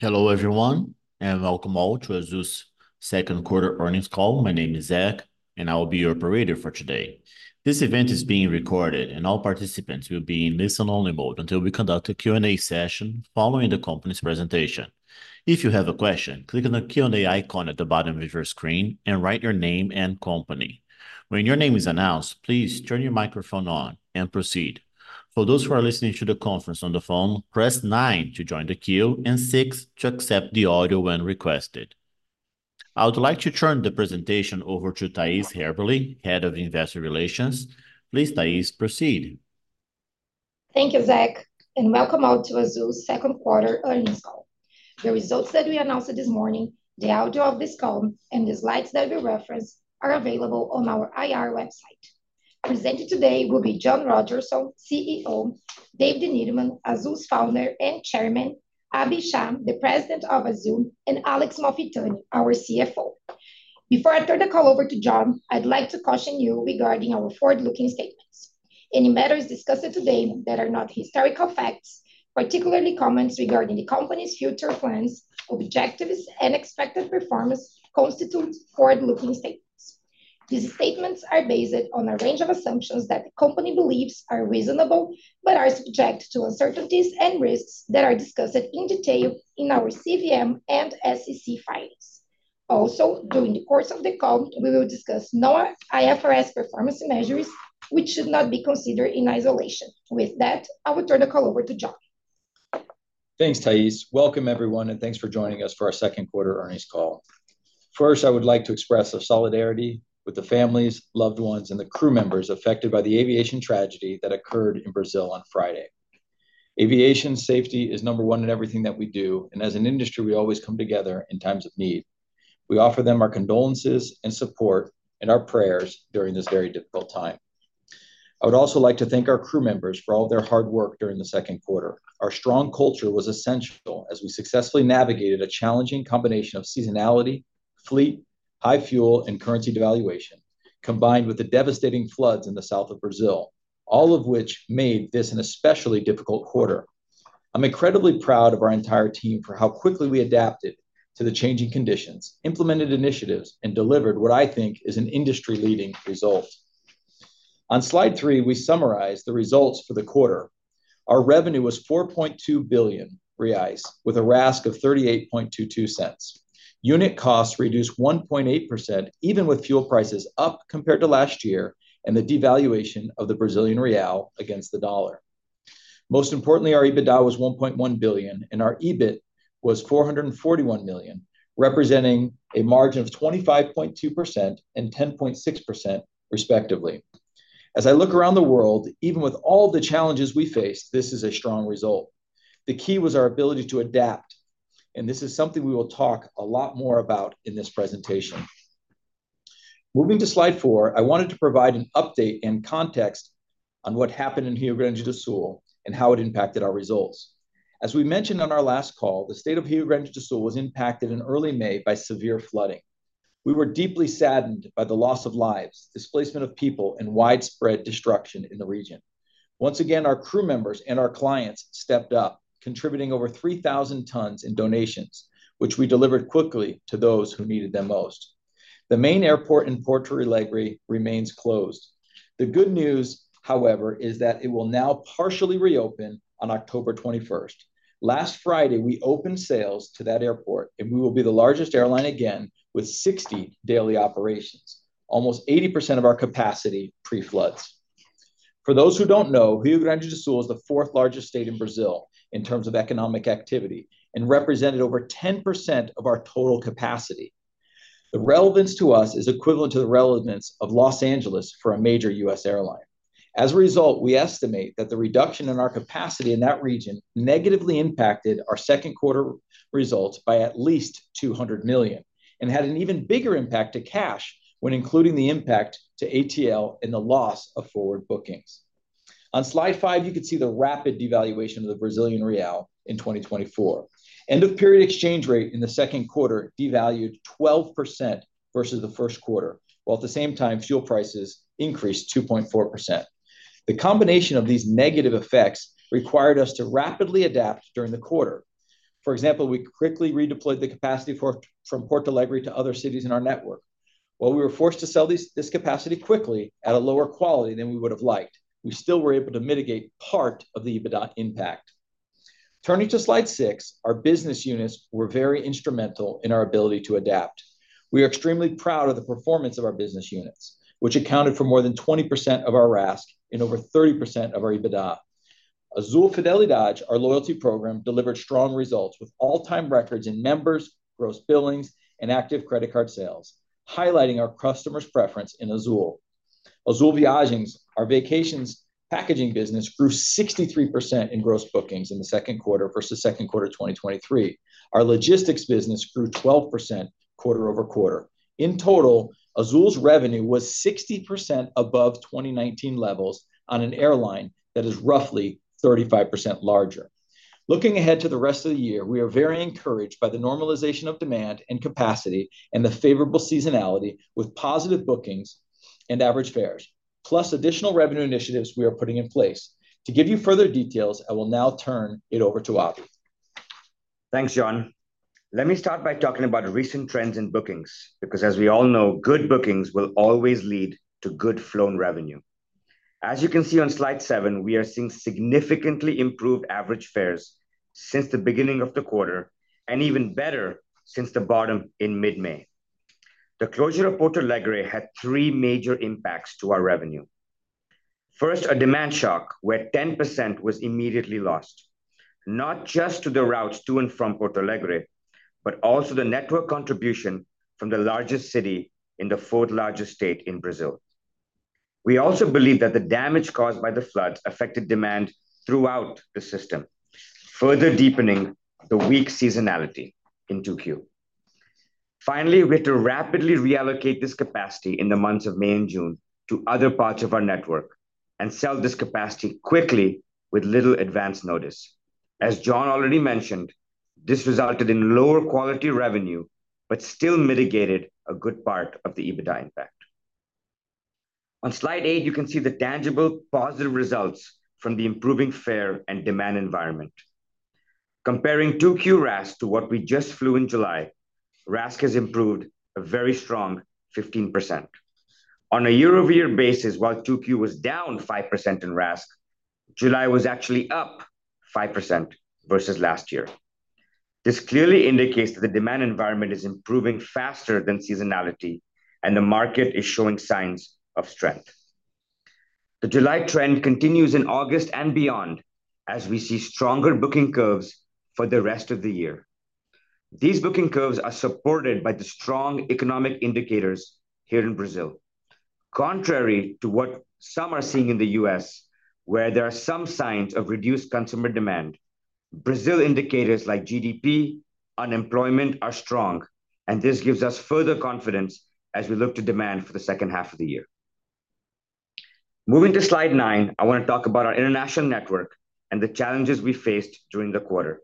Hello, everyone, and welcome all to Azul's Second Quarter Earnings Call. My name is Zach, and I will be your operator for today. This event is being recorded, and all participants will be in listen-only mode until we conduct a Q&A session following the company's presentation. If you have a question, click on the Q&A icon at the bottom of your screen and write your name and company. When your name is announced, please turn your microphone on and proceed. For those who are listening to the conference on the phone, press nine to join the queue and six to accept the audio when requested. I would like to turn the presentation over to Thais Haberli, Head of Investor Relations. Please, Thais, proceed. Thank you, Zach, and welcome all to Azul's second quarter earnings call. The results that we announced this morning, the audio of this call, and the slides that we reference are available on our IR website. Presenting today will be John Rodgerson, CEO, David Neeleman, Azul's founder and chairman, Abhi Shah, President of Azul, and Alex Malfitani, our CFO. Before I turn the call over to John, I'd like to caution you regarding our forward-looking statements. Any matters discussed today that are not historical facts, particularly comments regarding the company's future plans, objectives, and expected performance, constitute forward-looking statements. These statements are based on a range of assumptions that the company believes are reasonable, but are subject to uncertainties and risks that are discussed in detail in our CVM and SEC filings. Also, during the course of the call, we will discuss non-IFRS performance measures, which should not be considered in isolation. With that, I will turn the call over to John. Thanks, Thais. Welcome, everyone, and thanks for joining us for our Second Quarter Earnings Call. First, I would like to express our solidarity with the families, loved ones, and the crew members affected by the aviation tragedy that occurred in Brazil on Friday. Aviation safety is number one in everything that we do, and as an industry, we always come together in times of need. We offer them our condolences and support and our prayers during this very difficult time. I would also like to thank our crew members for all their hard work during the second quarter. Our strong culture was essential as we successfully navigated a challenging combination of seasonality, fleet, high fuel, and currency devaluation, combined with the devastating floods in the south of Brazil, all of which made this an especially difficult quarter. I'm incredibly proud of our entire team for how quickly we adapted to the changing conditions, implemented initiatives, and delivered what I think is an industry-leading result. On slide 3, we summarize the results for the quarter. Our revenue was 4.2 billion reais, with a RASK of 38.22 cents. Unit costs reduced 1.8%, even with fuel prices up compared to last year, and the devaluation of the Brazilian real against the dollar. Most importantly, our EBITDA was 1.1 billion, and our EBIT was 441 million, representing a margin of 25.2% and 10.6% respectively. As I look around the world, even with all the challenges we face, this is a strong result. The key was our ability to adapt, and this is something we will talk a lot more about in this presentation. Moving to slide 4, I wanted to provide an update and context on what happened in Rio Grande do Sul and how it impacted our results. As we mentioned on our last call, the state of Rio Grande do Sul was impacted in early May by severe flooding. We were deeply saddened by the loss of lives, displacement of people, and widespread destruction in the region. Once again, our crew members and our clients stepped up, contributing over 3,000 tons in donations, which we delivered quickly to those who needed them most. The main airport in Porto Alegre remains closed. The good news, however, is that it will now partially reopen on October 21st. Last Friday, we opened sales to that airport, and we will be the largest airline again, with 60 daily operations, almost 80% of our capacity pre-floods. For those who don't know, Rio Grande do Sul is the fourth-largest state in Brazil in terms of economic activity and represented over 10% of our total capacity. The relevance to us is equivalent to the relevance of Los Angeles for a major U.S. airline. As a result, we estimate that the reduction in our capacity in that region negatively impacted our second quarter results by at least 200 million, and had an even bigger impact to cash when including the impact to ATL and the loss of forward bookings. On Slide 5, you can see the rapid devaluation of the Brazilian Real in 2024. End-of-period exchange rate in the second quarter devalued 12% versus the first quarter, while at the same time, fuel prices increased 2.4%. The combination of these negative effects required us to rapidly adapt during the quarter. For example, we quickly redeployed the capacity from Porto Alegre to other cities in our network. While we were forced to sell this capacity quickly at a lower quality than we would have liked, we still were able to mitigate part of the EBITDA impact. Turning to slide six, our business units were very instrumental in our ability to adapt. We are extremely proud of the performance of our business units, which accounted for more than 20% of our RASK and over 30% of our EBITDA. Azul Fidelidade, our loyalty program, delivered strong results with all-time records in members, gross billings, and active credit card sales, highlighting our customers' preference in Azul. Azul Viagens, our vacations packaging business, grew 63% in gross bookings in the second quarter versus second quarter 2023. Our logistics business grew 12% quarter-over-quarter. In total, Azul's revenue was 60% above 2019 levels on an airline that is roughly 35% larger. Looking ahead to the rest of the year, we are very encouraged by the normalization of demand and capacity and the favorable seasonality, with positive bookings and average fares.... plus additional revenue initiatives we are putting in place. To give you further details, I will now turn it over to Abhi. Thanks, John. Let me start by talking about recent trends in bookings, because as we all know, good bookings will always lead to good flow and revenue. As you can see on slide 7, we are seeing significantly improved average fares since the beginning of the quarter, and even better since the bottom in mid-May. The closure of Porto Alegre had three major impacts to our revenue. First, a demand shock, where 10% was immediately lost, not just to the routes to and from Porto Alegre, but also the network contribution from the largest city in the fourth-largest state in Brazil. We also believe that the damage caused by the floods affected demand throughout the system, further deepening the weak seasonality in 2Q. Finally, we had to rapidly reallocate this capacity in the months of May and June to other parts of our network and sell this capacity quickly with little advance notice. As John already mentioned, this resulted in lower quality revenue, but still mitigated a good part of the EBITDA impact. On Slide 8, you can see the tangible positive results from the improving fare and demand environment. Comparing 2Q RASK to what we just flew in July, RASK has improved a very strong 15%. On a year-over-year basis, while 2Q was down 5% in RASK, July was actually up 5% versus last year. This clearly indicates that the demand environment is improving faster than seasonality, and the market is showing signs of strength. The July trend continues in August and beyond, as we see stronger booking curves for the rest of the year. These booking curves are supported by the strong economic indicators here in Brazil. Contrary to what some are seeing in the U.S., where there are some signs of reduced consumer demand, Brazil indicators like GDP, unemployment, are strong, and this gives us further confidence as we look to demand for the second half of the year. Moving to Slide 9, I want to talk about our international network and the challenges we faced during the quarter.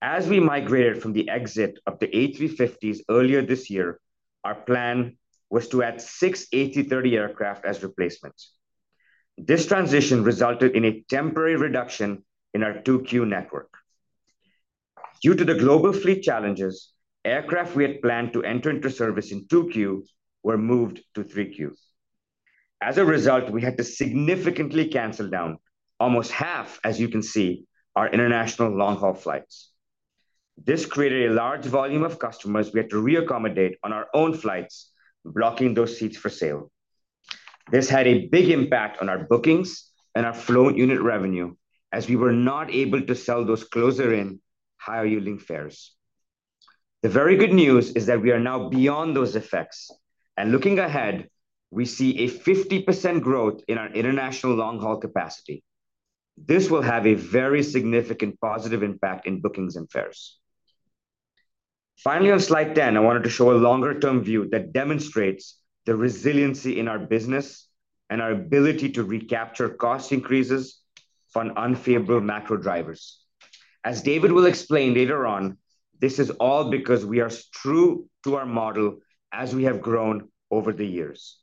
As we migrated from the exit of the A350s earlier this year, our plan was to add six A330 aircraft as replacements. This transition resulted in a temporary reduction in our 2Q network. Due to the global fleet challenges, aircraft we had planned to enter into service in 2Q were moved to 3Q. As a result, we had to significantly cancel down almost half, as you can see, our international long-haul flights. This created a large volume of customers we had to re-accommodate on our own flights, blocking those seats for sale. This had a big impact on our bookings and our flow unit revenue, as we were not able to sell those closer in higher yielding fares. The very good news is that we are now beyond those effects, and looking ahead, we see a 50% growth in our international long-haul capacity. This will have a very significant positive impact in bookings and fares. Finally, on Slide 10, I wanted to show a longer-term view that demonstrates the resiliency in our business and our ability to recapture cost increases from unfavorable macro drivers. As David will explain later on, this is all because we are true to our model as we have grown over the years.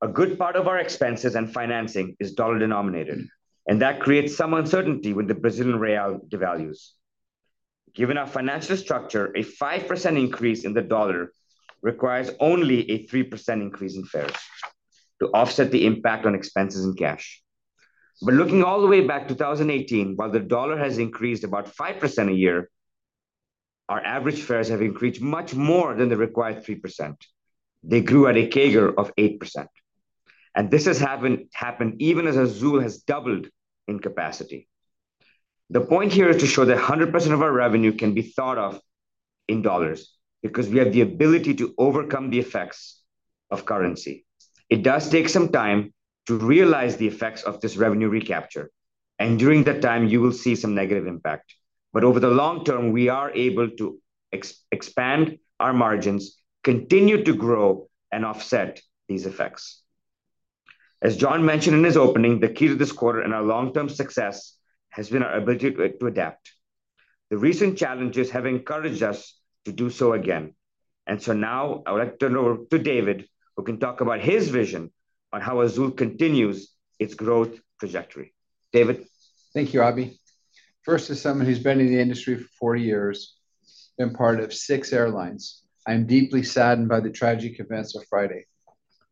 A good part of our expenses and financing is dollar-denominated, and that creates some uncertainty when the Brazilian real devalues. Given our financial structure, a 5% increase in the dollar requires only a 3% increase in fares to offset the impact on expenses and cash. But looking all the way back to 2018, while the dollar has increased about 5% a year, our average fares have increased much more than the required 3%. They grew at a CAGR of 8%, and this has happened even as Azul has doubled in capacity. The point here is to show that 100% of our revenue can be thought of in dollars, because we have the ability to overcome the effects of currency. It does take some time to realize the effects of this revenue recapture, and during that time, you will see some negative impact. But over the long term, we are able to expand our margins, continue to grow, and offset these effects. As John mentioned in his opening, the key to this quarter and our long-term success has been our ability to adapt. The recent challenges have encouraged us to do so again, and so now I would like to turn it over to David, who can talk about his vision on how Azul continues its growth trajectory. David? Thank you, Abhi. First, as someone who's been in the industry for 40 years and part of six airlines, I'm deeply saddened by the tragic events of Friday.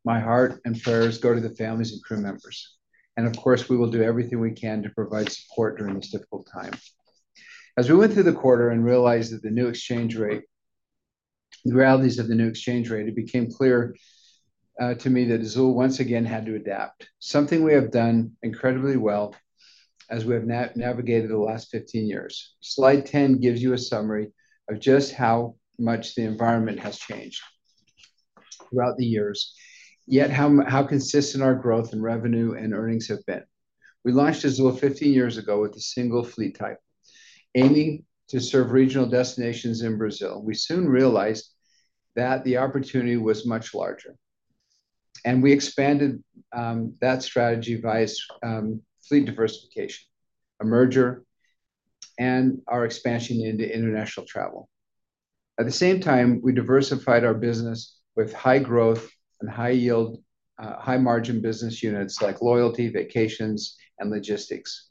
My heart and prayers go to the families and crew members, and of course, we will do everything we can to provide support during this difficult time. As we went through the quarter and realized that the new exchange rate, the realities of the new exchange rate, it became clear to me that Azul once again had to adapt, something we have done incredibly well as we have navigated the last 15 years. Slide 10 gives you a summary of just how much the environment has changed throughout the years, yet how consistent our growth in revenue and earnings have been. We launched Azul 15 years ago with a single fleet type, aiming to serve regional destinations in Brazil. We soon realized that the opportunity was much larger, and we expanded that strategy via fleet diversification, a merger and our expansion into international travel. At the same time, we diversified our business with high growth and high yield, high margin business units like loyalty, vacations, and logistics.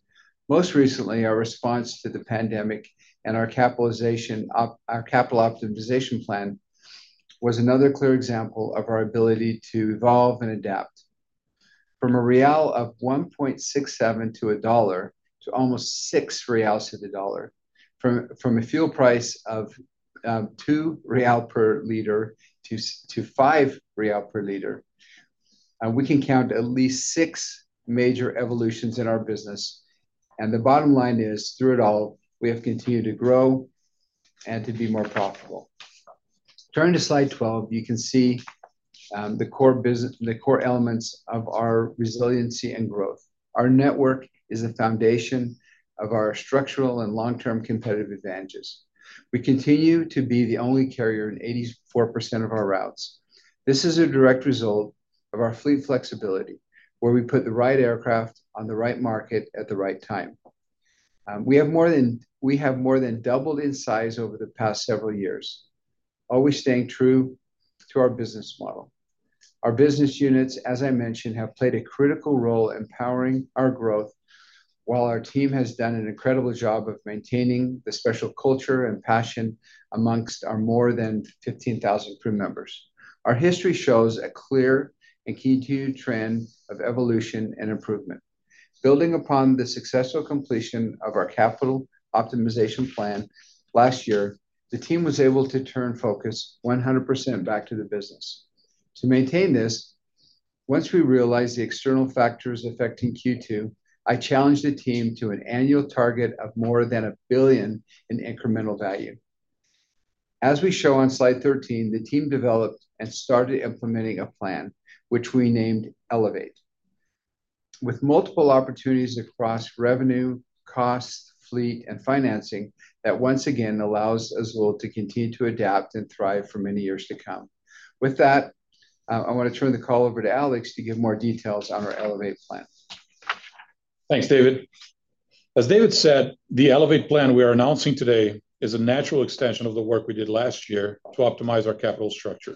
Most recently, our response to the pandemic and our capital optimization plan was another clear example of our ability to evolve and adapt. From 1.67 to the U.S. dollar, to almost 6 reais to the U.S. dollar. From a fuel price of 2 real per liter to 5 real per liter, and we can count at least six major evolutions in our business, and the bottom line is, through it all, we have continued to grow and to be more profitable. Turning to slide 12, you can see the core elements of our resiliency and growth. Our network is the foundation of our structural and long-term competitive advantages. We continue to be the only carrier in 84% of our routes. This is a direct result of our fleet flexibility, where we put the right aircraft on the right market at the right time. We have more than doubled in size over the past several years, always staying true to our business model. Our business units, as I mentioned, have played a critical role in powering our growth, while our team has done an incredible job of maintaining the special culture and passion amongst our more than 15,000 crew members. Our history shows a clear and key trend of evolution and improvement. Building upon the successful completion of our capital optimization plan last year, the team was able to turn focus 100% back to the business. To maintain this, once we realized the external factors affecting Q2, I challenged the team to an annual target of more than $1 billion in incremental value. As we show on slide 13, the team developed and started implementing a plan which we named Elevate. With multiple opportunities across revenue, cost, fleet, and financing, that once again allows us all to continue to adapt and thrive for many years to come. With that, I want to turn the call over to Alex to give more details on our Elevate plan. Thanks, David. As David said, the Elevate plan we are announcing today is a natural extension of the work we did last year to optimize our capital structure.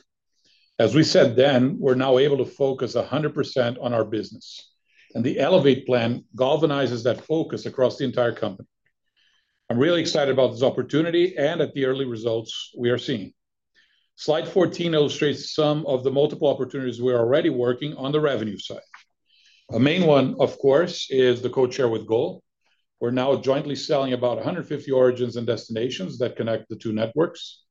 As we said then, we're now able to focus 100% on our business, and the Elevate plan galvanizes that focus across the entire company. I'm really excited about this opportunity and at the early results we are seeing. Slide 14 illustrates some of the multiple opportunities we are already working on the revenue side. A main one, of course, is the code share with GOL. We're now jointly selling about 150 origins and destinations that connect the two networks.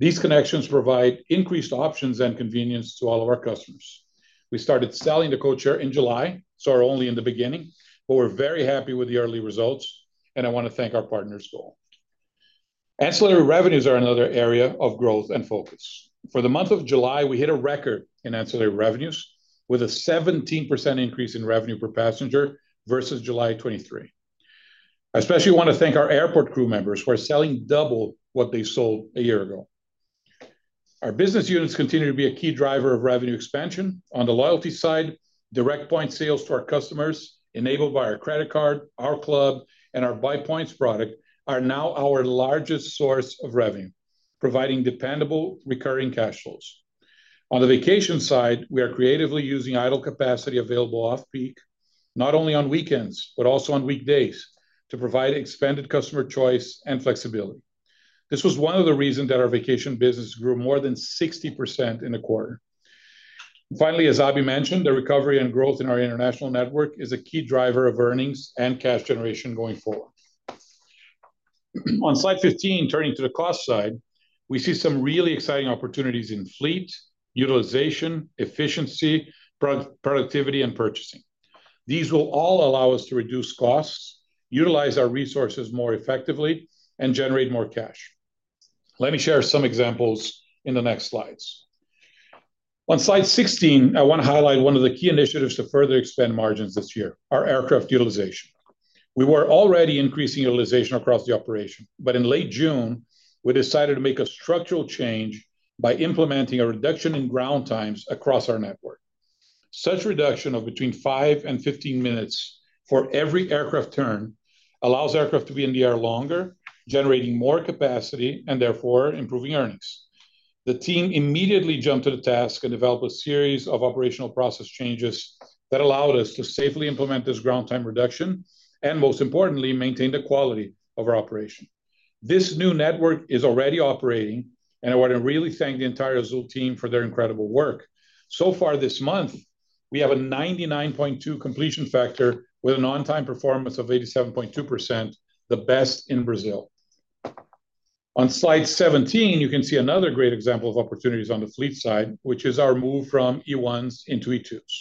These connections provide increased options and convenience to all of our customers. We started selling the codeshare in July, so are only in the beginning, but we're very happy with the early results, and I want to thank our partners, GOL. Ancillary revenues are another area of growth and focus. For the month of July, we hit a record in ancillary revenues, with a 17% increase in revenue per passenger versus July 2023. I especially want to thank our airport crew members who are selling double what they sold a year ago. Our business units continue to be a key driver of revenue expansion. On the loyalty side, direct point sales to our customers, enabled by our credit card, our club, and our buy points product, are now our largest source of revenue, providing dependable, recurring cash flows. On the vacation side, we are creatively using idle capacity available off-peak, not only on weekends, but also on weekdays, to provide expanded customer choice and flexibility. This was one of the reasons that our vacation business grew more than 60% in a quarter. Finally, as Abhi mentioned, the recovery and growth in our international network is a key driver of earnings and cash generation going forward. On slide 15, turning to the cost side, we see some really exciting opportunities in fleet, utilization, efficiency, productivity, and purchasing. These will all allow us to reduce costs, utilize our resources more effectively, and generate more cash. Let me share some examples in the next slides. On slide 16, I want to highlight one of the key initiatives to further expand margins this year, our aircraft utilization. We were already increasing utilization across the operation, but in late June, we decided to make a structural change by implementing a reduction in ground times across our network. Such reduction of between 5 and 15 minutes for every aircraft turn allows aircraft to be in the air longer, generating more capacity, and therefore improving earnings. The team immediately jumped to the task and developed a series of operational process changes that allowed us to safely implement this ground time reduction, and most importantly, maintain the quality of our operation. This new network is already operating, and I want to really thank the entire Azul team for their incredible work. So far this month, we have a 99.2 completion factor with an on-time performance of 87.2%, the best in Brazil. On slide 17, you can see another great example of opportunities on the fleet side, which is our move from E1s into E2s.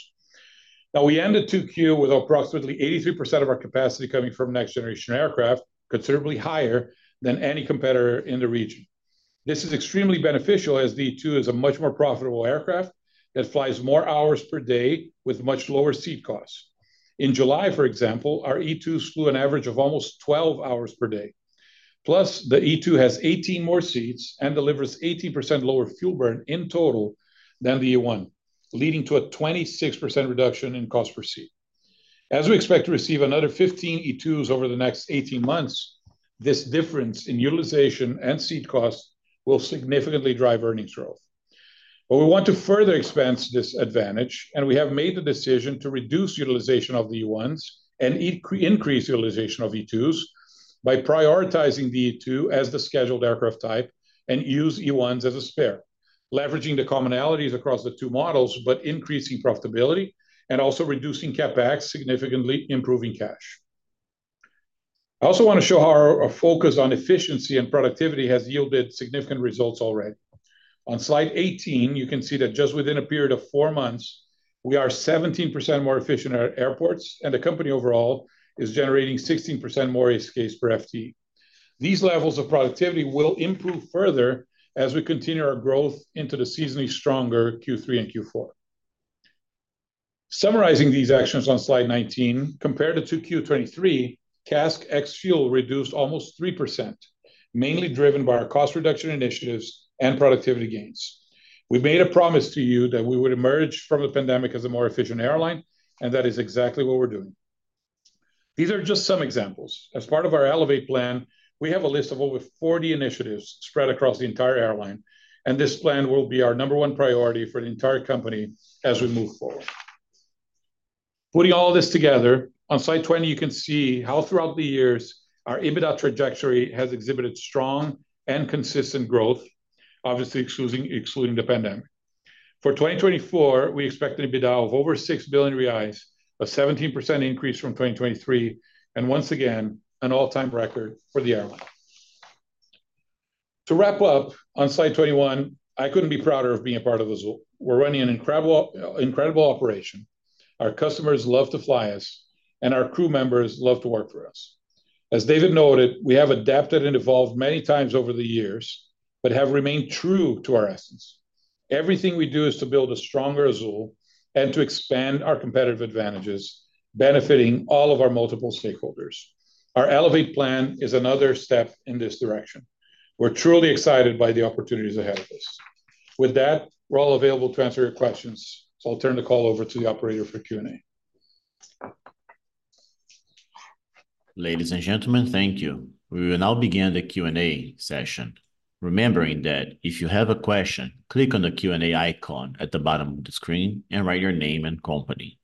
Now, we ended 2Q with approximately 83% of our capacity coming from next generation aircraft, considerably higher than any competitor in the region. This is extremely beneficial, as the E2 is a much more profitable aircraft that flies more hours per day with much lower seat costs. In July, for example, our E2s flew an average of almost 12 hours per day.... Plus, the E2 has 18 more seats and delivers 18% lower fuel burn in total than the E1, leading to a 26% reduction in cost per seat. As we expect to receive another 15 E2s over the next 18 months, this difference in utilization and seat costs will significantly drive earnings growth. But we want to further expand this advantage, and we have made the decision to reduce utilization of the E1s and increase utilization of E2s, by prioritizing the E2 as the scheduled aircraft type and use E1s as a spare, leveraging the commonalities across the two models, but increasing profitability and also reducing CapEx, significantly improving cash. I also want to show how our focus on efficiency and productivity has yielded significant results already. On slide 18, you can see that just within a period of four months, we are 17% more efficient at airports, and the company overall is generating 16% more ASK per FTE. These levels of productivity will improve further as we continue our growth into the seasonally stronger Q3 and Q4. Summarizing these actions on slide 19, compared to 2Q 2023, CASK ex-fuel reduced almost 3%, mainly driven by our cost reduction initiatives and productivity gains. We made a promise to you that we would emerge from the pandemic as a more efficient airline, and that is exactly what we're doing. These are just some examples. As part of our Elevate Plan, we have a list of over 40 initiatives spread across the entire airline, and this plan will be our number one priority for the entire company as we move forward. Putting all this together, on slide 20, you can see how throughout the years, our EBITDA trajectory has exhibited strong and consistent growth, obviously excluding the pandemic. For 2024, we expect an EBITDA of over 6 billion reais, a 17% increase from 2023, and once again, an all-time record for the airline. To wrap up, on slide 21, I couldn't be prouder of being a part of Azul. We're running an incredible, incredible operation. Our customers love to fly us, and our crew members love to work for us. As David noted, we have adapted and evolved many times over the years, but have remained true to our essence. Everything we do is to build a stronger Azul and to expand our competitive advantages, benefiting all of our multiple stakeholders. Our Elevate Plan is another step in this direction. We're truly excited by the opportunities ahead of us. With that, we're all available to answer your questions, so I'll turn the call over to the operator for Q&A. Ladies and gentlemen, thank you. We will now begin the Q&A session. Remembering that if you have a question, click on the Q&A icon at the bottom of the screen and write your name and company.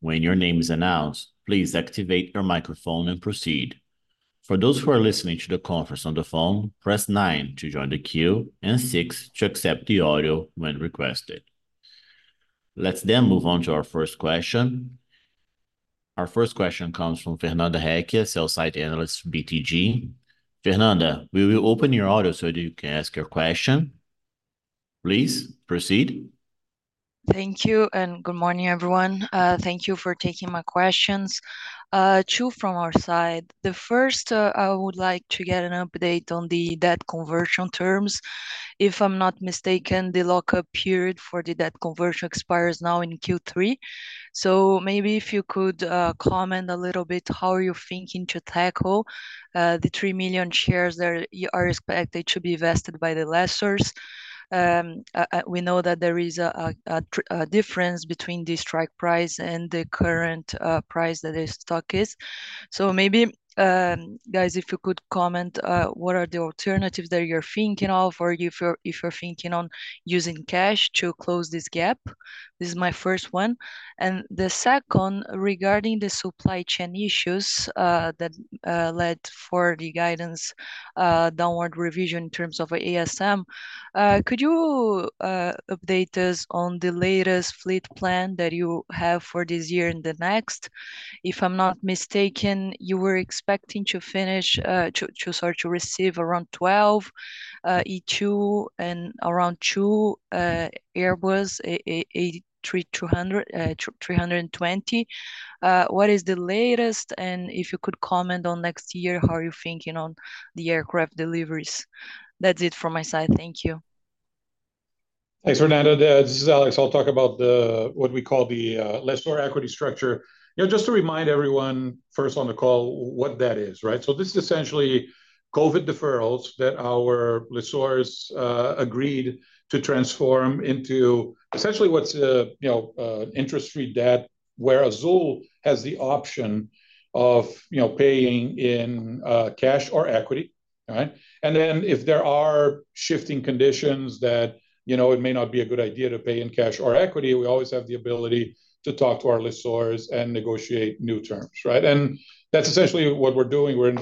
When your name is announced, please activate your microphone and proceed. For those who are listening to the conference on the phone, press nine to join the queue and six to accept the audio when requested. Let's then move on to our first question. Our first question comes from Fernanda Recchia, Sell-Side Analyst, BTG. Fernanda, we will open your audio so that you can ask your question. Please proceed. Thank you, and good morning, everyone. Thank you for taking my questions. Two from our side. The first, I would like to get an update on the debt conversion terms. If I'm not mistaken, the lock-up period for the debt conversion expires now in Q3, so maybe if you could comment a little bit, how are you thinking to tackle the 3 million shares that are expected to be vested by the lessors? We know that there is a difference between the strike price and the current price that the stock is. So maybe, guys, if you could comment what are the alternatives that you're thinking of, or if you're thinking on using cash to close this gap? This is my first one. And the second, regarding the supply chain issues that led for the guidance downward revision in terms of ASM, could you update us on the latest fleet plan that you have for this year and the next? If I'm not mistaken, you were expecting to finish to receive around 12 E2 and around two Airbus A320. What is the latest? And if you could comment on next year, how are you thinking on the aircraft deliveries? That's it from my side. Thank you. Thanks, Fernanda. This is Alex. I'll talk about the, what we call the lessor equity structure. You know, just to remind everyone, first on the call, what that is, right? So this is essentially COVID deferrals that our lessors agreed to transform into essentially what's, you know, interest-free debt, where Azul has the option of, you know, paying in cash or equity, right? And then, if there are shifting conditions that, you know, it may not be a good idea to pay in cash or equity, we always have the ability to talk to our lessors and negotiate new terms, right? And that's essentially what we're doing. We're in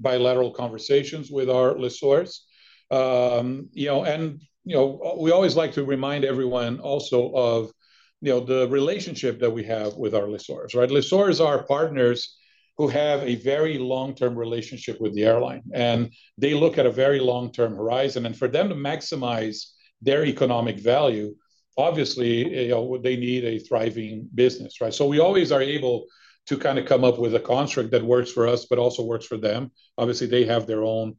bilateral conversations with our lessors. You know, and, you know, we always like to remind everyone also of, you know, the relationship that we have with our lessors, right? Lessors are partners who have a very long-term relationship with the airline, and they look at a very long-term horizon. And for them to maximize their economic value, obviously, you know, they need a thriving business, right? So we always are able to kind of come up with a construct that works for us, but also works for them. Obviously, they have their own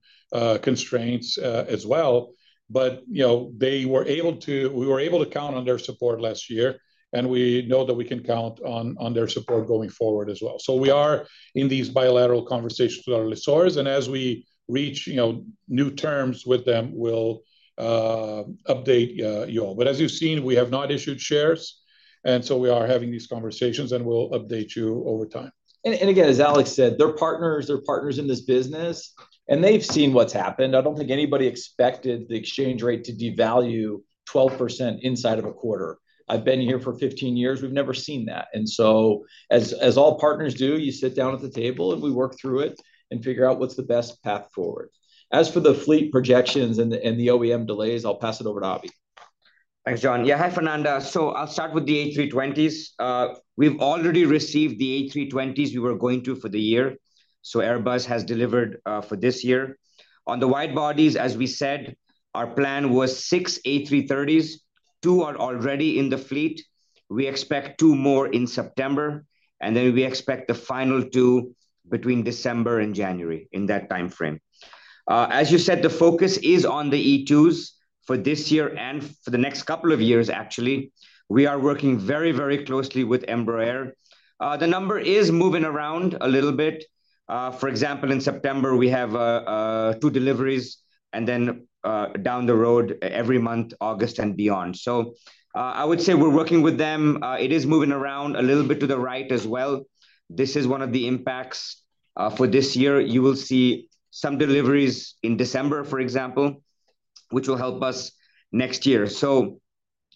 constraints as well, but, you know, they were able to—we were able to count on their support last year, and we know that we can count on their support going forward as well. So we are in these bilateral conversations with our lessors, and as we reach, you know, new terms with them, we'll update you all. But as you've seen, we have not issued shares, and so we are having these conversations, and we'll update you over time. And again, as Alex said, they're partners, they're partners in this business, and they've seen what's happened. I don't think anybody expected the exchange rate to devalue 12% inside of a quarter. I've been here for 15 years, we've never seen that. And so as all partners do, you sit down at the table, and we work through it and figure out what's the best path forward. As for the fleet projections and the OEM delays, I'll pass it over to Abhi. Thanks, John. Yeah, hi, Fernanda. So I'll start with the A320s. We've already received the A320s we were going to for the year, so Airbus has delivered for this year. On the wide-bodies, as we said, our plan was six A330s. Two are already in the fleet. We expect two more in September, and then we expect the final two between December and January, in that timeframe. As you said, the focus is on the E2s for this year and for the next couple of years, actually. We are working very, very closely with Embraer. The number is moving around a little bit. For example, in September, we have two deliveries, and then down the road every month, August and beyond. So, I would say we're working with them. It is moving around a little bit to the right as well. This is one of the impacts for this year. You will see some deliveries in December, for example, which will help us next year. So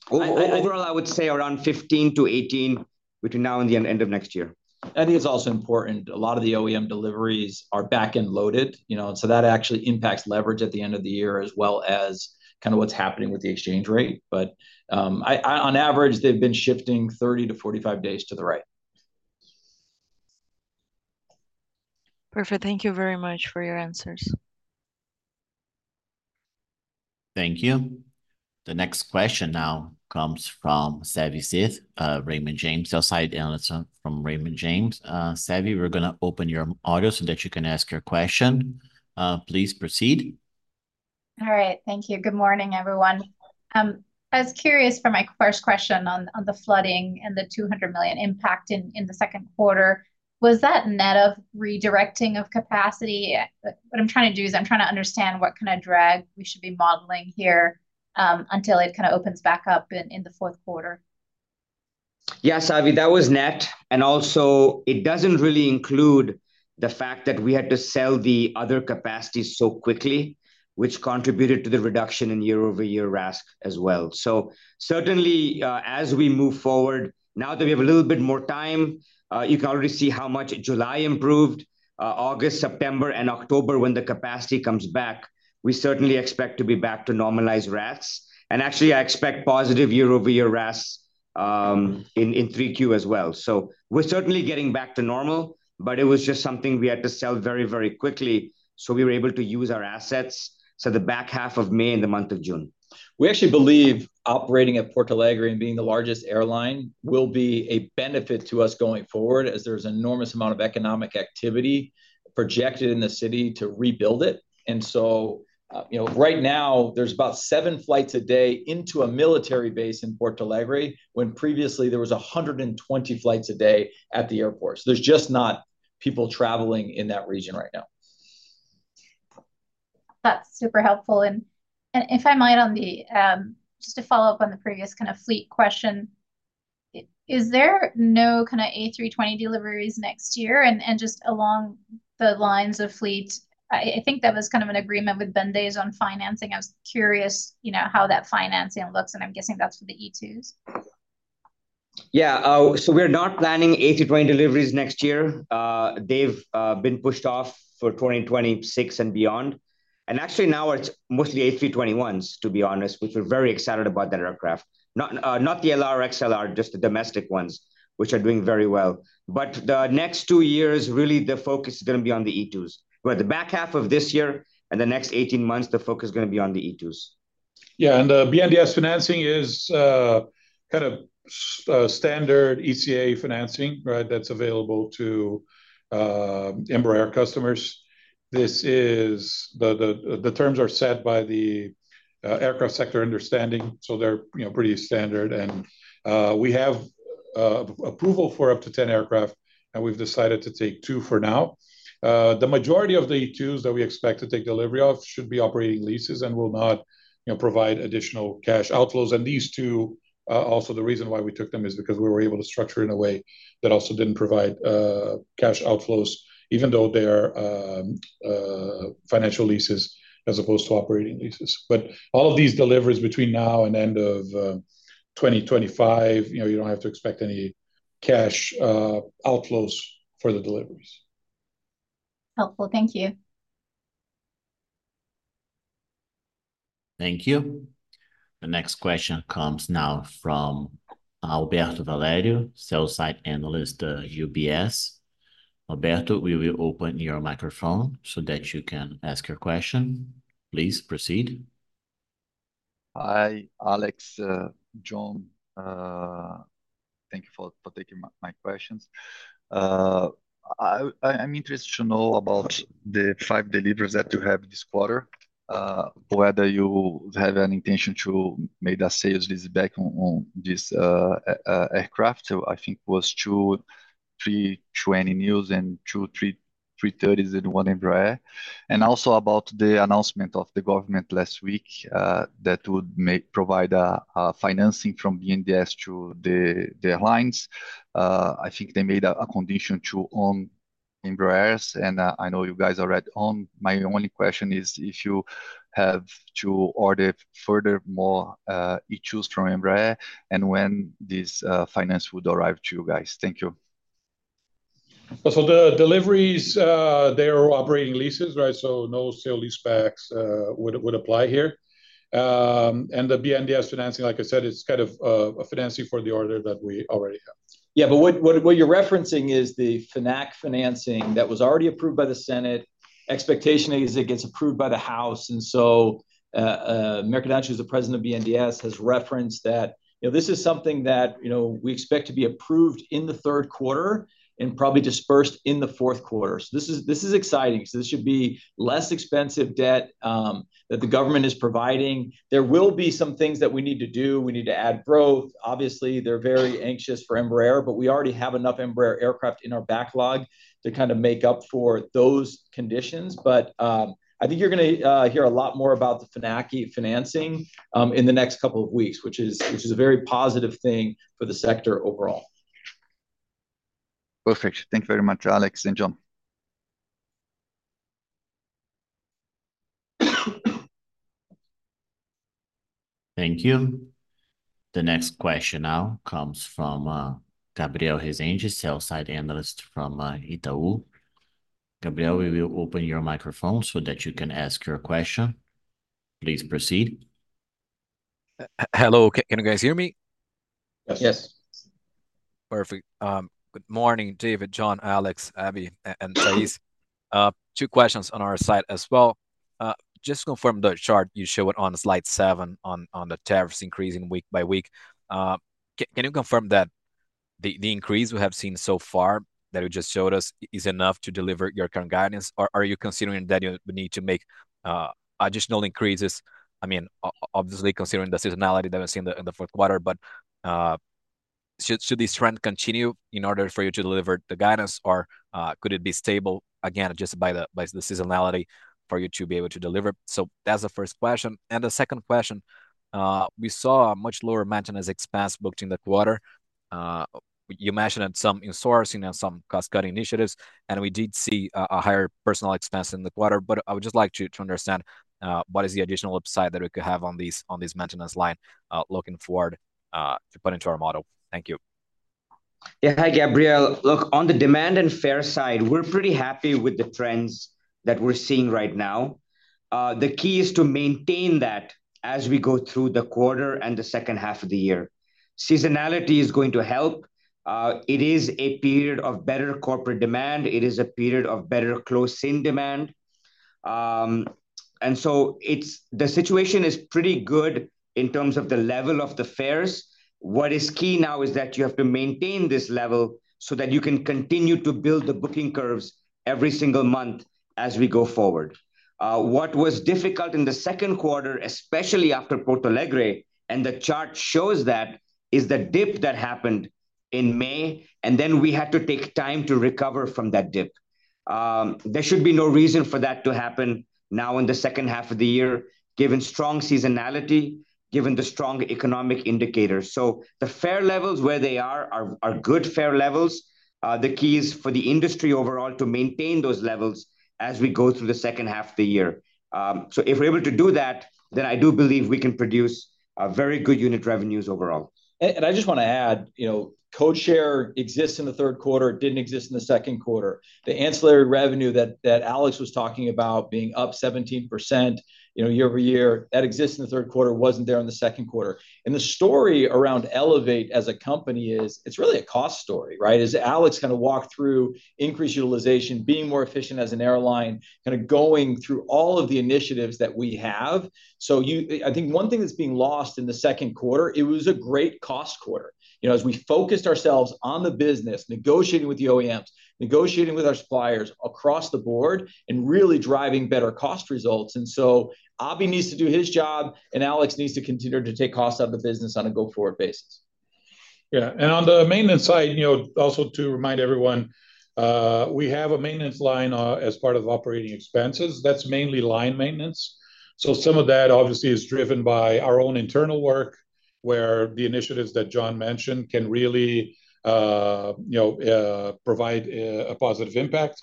overall, I would say around 15-18 between now and the end of next year. I think it's also important, a lot of the OEM deliveries are back and loaded, you know, so that actually impacts leverage at the end of the year, as well as kind of what's happening with the exchange rate. But, on average, they've been shifting 30-45 days to the right. Perfect. Thank you very much for your answers. Thank you. The next question now comes from Savi Syth, Raymond James, from Raymond James. Savi, we're gonna open your audio so that you can ask your question. Please proceed. All right. Thank you. Good morning, everyone. I was curious for my first question on the flooding and the 200 million impact in the second quarter. Was that net of redirecting of capacity? What I'm trying to do is to understand what kind of drag we should be modeling here, until it kind of opens back up in the fourth quarter. Yeah, Savi, that was net, and also, it doesn't really include the fact that we had to sell the other capacities so quickly, which contributed to the reduction in year-over-year RASK as well. So certainly, as we move forward, now that we have a little bit more time, you can already see how much July improved. August, September, and October, when the capacity comes back, we certainly expect to be back to normalized RASKs, and actually, I expect positive year-over-year RASKs, in 3Q as well. So we're certainly getting back to normal, but it was just something we had to sell very, very quickly, so we were able to use our assets, so the back half of May and the month of June. We actually believe operating at Porto Alegre and being the largest airline will be a benefit to us going forward, as there's enormous amount of economic activity projected in the city to rebuild it. And so, you know, right now, there's about seven flights a day into a military base in Porto Alegre, when previously there was 120 flights a day at the airport. So there's just not people traveling in that region right now. That's super helpful. And if I might, on the just to follow up on the previous kind of fleet question, is there no kind of A320 deliveries next year? And just along the lines of fleet, I think that was kind of an agreement with BNDES on financing. I was curious, you know, how that financing looks, and I'm guessing that's for the E2s. Yeah, so we're not planning A320 deliveries next year. They've been pushed off for 2026 and beyond. And actually now it's mostly A321s, to be honest, which we're very excited about that aircraft. Not the LR, XLR, just the domestic ones, which are doing very well. But the next two years, really the focus is gonna be on the E2s, where the back half of this year and the next 18 months, the focus is gonna be on the E2s. Yeah, and the BNDES financing is, kind of, standard ECA financing, right? That's available to, Embraer customers. This is... The terms are set by the, Aircraft Sector Understanding, so they're, you know, pretty standard. And, we have, approval for up to 10 aircraft, and we've decided to take two for now. The majority of the E2s that we expect to take delivery of should be operating leases and will not, you know, provide additional cash outflows. And these two, also the reason why we took them is because we were able to structure in a way that also didn't provide, cash outflows, even though they are, financial leases as opposed to operating leases. But all of these deliveries between now and end of 2025, you know, you don't have to expect any cash outflows for the deliveries. Helpful. Thank you. Thank you. The next question comes now from Alberto Valerio, Sell-Side Analyst, UBS. Alberto, we will open your microphone so that you can ask your question. Please proceed. Hi, Alex, John, thank you for taking my questions. I'm interested to know about the five deliveries that you have this quarter, whether you have any intention to make the sales leaseback on this aircraft. So I think it was two A320neos and two A330s and one Embraer. And also about the announcement of the government last week, that would provide a financing from BNDES to the airlines. I think they made a condition to own Embraers, and I know you guys already own. My only question is if you have to order further more E2s from Embraer, and when this finance would arrive to you guys? Thank you. So the deliveries, they're operating leases, right? So no sale lease-backs would apply here. And the BNDES financing, like I said, is kind of a financing for the order that we already have. Yeah, buft what you're referencing is the FNAC financing that was already approved by the Senate. Expectation is it gets approved by the House, and so, Mercadante, who's the president of BNDES, has referenced that, you know, this is something that, you know, we expect to be approved in the third quarter and probably dispersed in the fourth quarter. So this is, this is exciting, so this should be less expensive debt that the government is providing. There will be some things that we need to do. We need to add growth. Obviously, they're very anxious for Embraer, but we already have enough Embraer aircraft in our backlog to kind of make up for those conditions. I think you're gonna hear a lot more about the FNAC financing in the next couple of weeks, which is a very positive thing for the sector overall. Perfect. Thank you very much, Alex and John. Thank you. The next question now comes from, Gabriel Rezende, Sell-Side Analyst from, Itaú. Gabriel, we will open your microphone so that you can ask your question. Please proceed. Hello, can you guys hear me? Yes. Yes. Perfect. Good morning, David, John, Alex, Abi, and Thais. Two questions on our side as well. Just to confirm the chart you showed on slide seven, on the tariffs increasing week by week. Can you confirm that the increase we have seen so far, that you just showed us, is enough to deliver your current guidance, or are you considering that you need to make additional increases? I mean, obviously, considering the seasonality that we're seeing in the fourth quarter, but should this trend continue in order for you to deliver the guidance, or could it be stable again, just by the seasonality for you to be able to deliver? So that's the first question. And the second question, we saw a much lower maintenance expense booked in the quarter. You mentioned some insourcing and some cost-cutting initiatives, and we did see a higher personal expense in the quarter, but I would just like to understand what is the additional upside that we could have on this maintenance line looking forward to put into our model? Thank you. Yeah. Hi, Gabriel. Look, on the demand and fare side, we're pretty happy with the trends that we're seeing right now. The key is to maintain that as we go through the quarter and the second half of the year. Seasonality is going to help. It is a period of better corporate demand. It is a period of better close-in demand. And so it's the situation is pretty good in terms of the level of the fares. What is key now is that you have to maintain this level so that you can continue to build the booking curves every single month as we go forward. What was difficult in the second quarter, especially after Porto Alegre, and the chart shows that, is the dip that happened in May, and then we had to take time to recover from that dip. There should be no reason for that to happen now in the second half of the year, given strong seasonality, given the strong economic indicators. So the fare levels where they are are good fare levels. The key is for the industry overall to maintain those levels as we go through the second half of the year. So if we're able to do that, then I do believe we can produce a very good unit revenues overall. And I just want to add, you know, code share exists in the third quarter, it didn't exist in the second quarter. The ancillary revenue that, that Alex was talking about being up 17%, you know, year-over-year, that exists in the third quarter, wasn't there in the second quarter. And the story around Elevate as a company is, it's really a cost story, right? As Alex kind of walked through increased utilization, being more efficient as an airline, kind of going through all of the initiatives that we have. So, I think one thing that's being lost in the second quarter, it was a great cost quarter. You know, as we focused ourselves on the business, negotiating with the OEMs, negotiating with our suppliers across the board, and really driving better cost results. Abhi needs to do his job, and Alex needs to continue to take costs out of the business on a go-forward basis. Yeah, and on the maintenance side, you know, also to remind everyone, we have a maintenance line, as part of operating expenses. That's mainly line maintenance. So some of that obviously is driven by our own internal work, where the initiatives that John mentioned can really, you know, provide a positive impact.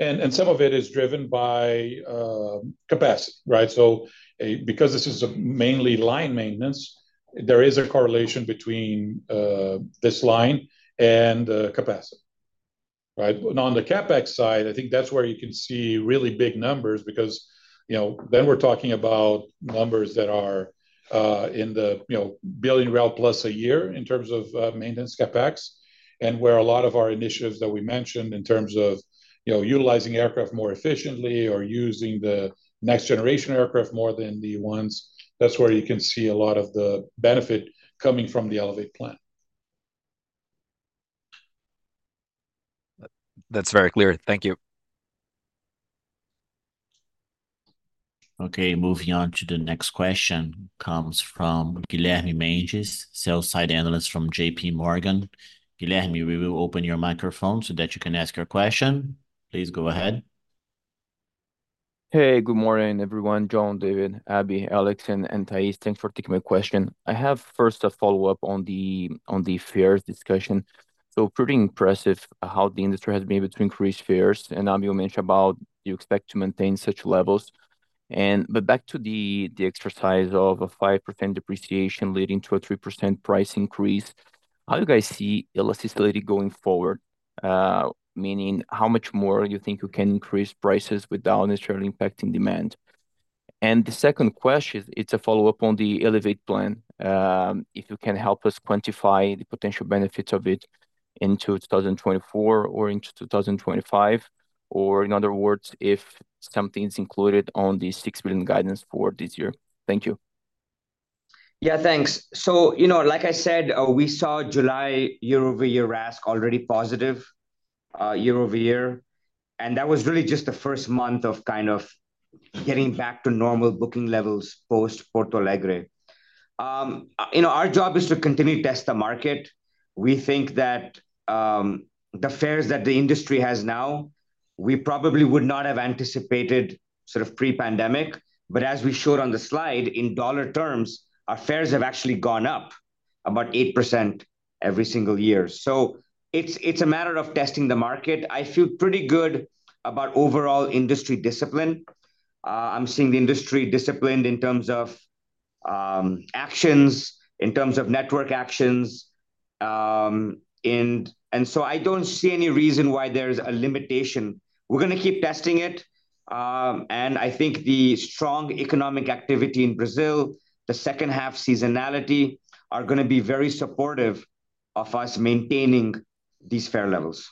And some of it is driven by capacity, right? So, because this is mainly line maintenance, there is a correlation between this line and the capacity. Right? But on the CapEx side, I think that's where you can see really big numbers, because, you know, then we're talking about numbers that are in the 1 billion plus a year in terms of maintenance CapEx. Where a lot of our initiatives that we mentioned in terms of, you know, utilizing aircraft more efficiently or using the next generation aircraft more than the ones, that's where you can see a lot of the benefit coming from the Elevate plan. That's very clear. Thank you. Okay, moving on to the next question, comes from Guilherme Mendes, Sell-Side Analyst from JP Morgan. Guilherme, we will open your microphone so that you can ask your question. Please go ahead. Hey, good morning, everyone, John, David, Abhi, Alex, and Thais. Thanks for taking my question. I have first a follow-up on the fares discussion. So pretty impressive how the industry has been able to increase fares, and Abhi, you mentioned about you expect to maintain such levels. But back to the exercise of a 5% depreciation leading to a 3% price increase, how do you guys see elasticity going forward? Meaning how much more you think you can increase prices without necessarily impacting demand? And the second question, it's a follow-up on the Elevate plan. If you can help us quantify the potential benefits of it into 2024 or into 2025, or in other words, if something's included on the 6 billion guidance for this year. Thank you. Yeah, thanks. So, you know, like I said, we saw July year-over-year RASK already positive, year over year, and that was really just the first month of kind of getting back to normal booking levels post-Porto Alegre. You know, our job is to continue to test the market. We think that, the fares that the industry has now, we probably would not have anticipated sort of pre-pandemic, but as we showed on the slide, in dollar terms, our fares have actually gone up about 8% every single year. So it's, it's a matter of testing the market. I feel pretty good about overall industry discipline. I'm seeing the industry disciplined in terms of, actions, in terms of network actions. And, and so I don't see any reason why there's a limitation. We're gonna keep testing it, and I think the strong economic activity in Brazil, the second half seasonality, are gonna be very supportive of us maintaining these fare levels.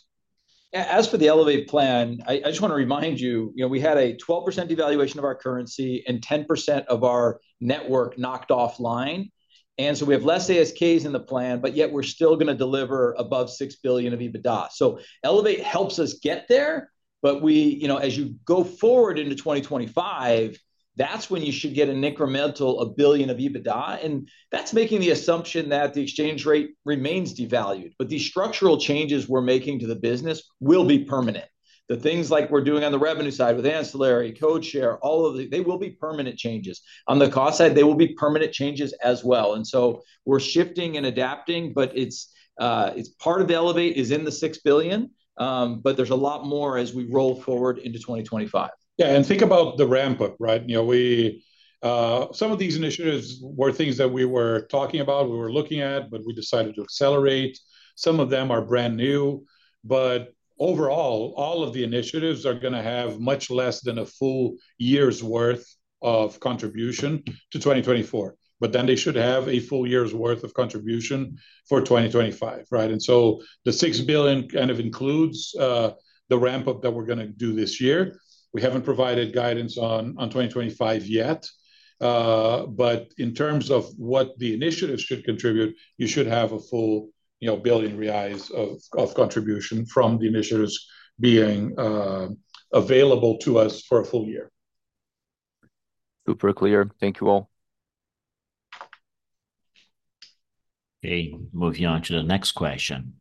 Yeah, as for the Elevate plan, I just want to remind you, you know, we had a 12% devaluation of our currency and 10% of our network knocked offline. And so we have less ASKs in the plan, but yet we're still gonna deliver above 6 billion of EBITDA. So Elevate helps us get there, but we... You know, as you go forward into 2025, that's when you should get an incremental 1 billion of EBITDA, and that's making the assumption that the exchange rate remains devalued. But these structural changes we're making to the business will be permanent. The things like we're doing on the revenue side with ancillary, code share, all of the- they will be permanent changes. On the cost side, they will be permanent changes as well. And so we're shifting and adapting, but it's, it's part of the Elevate is in the 6 billion, but there's a lot more as we roll forward into 2025. Yeah, and think about the ramp-up, right? You know, we, Some of these initiatives were things that we were talking about, we were looking at, but we decided to accelerate. Some of them are brand new, but overall, all of the initiatives are gonna have much less than a full year's worth of contribution to 2024, but then they should have a full year's worth of contribution for 2025, right? And so the 6 billion kind of includes, the ramp-up that we're gonna do this year. We haven't provided guidance on, on 2025 yet, but in terms of what the initiatives should contribute, you should have a full, you know, 1 billion reais of, of contribution from the initiatives being, available to us for a full year. Super clear. Thank you, all. Okay, moving on to the next question.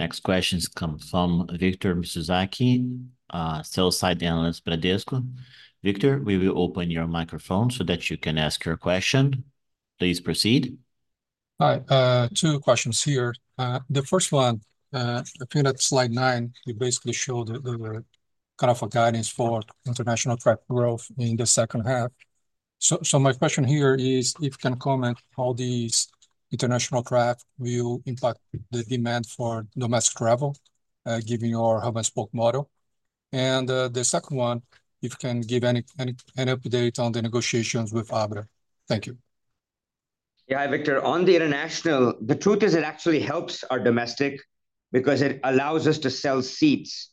Next questions come from Victor Mizusaki, Sell-Side Analyst, Bradesco. Victor, we will open your microphone so that you can ask your question. Please proceed. Hi, two questions here. The first one, if you look at slide nine, you basically show the kind of a guidance for international traffic growth in the second half. So, my question here is, if you can comment how these international traffic will impact the demand for domestic travel, given your hub-and-spoke model? And, the second one, if you can give an update on the negotiations with Abra. Thank you. Yeah, Victor, on the international, the truth is it actually helps our domestic, because it allows us to sell seats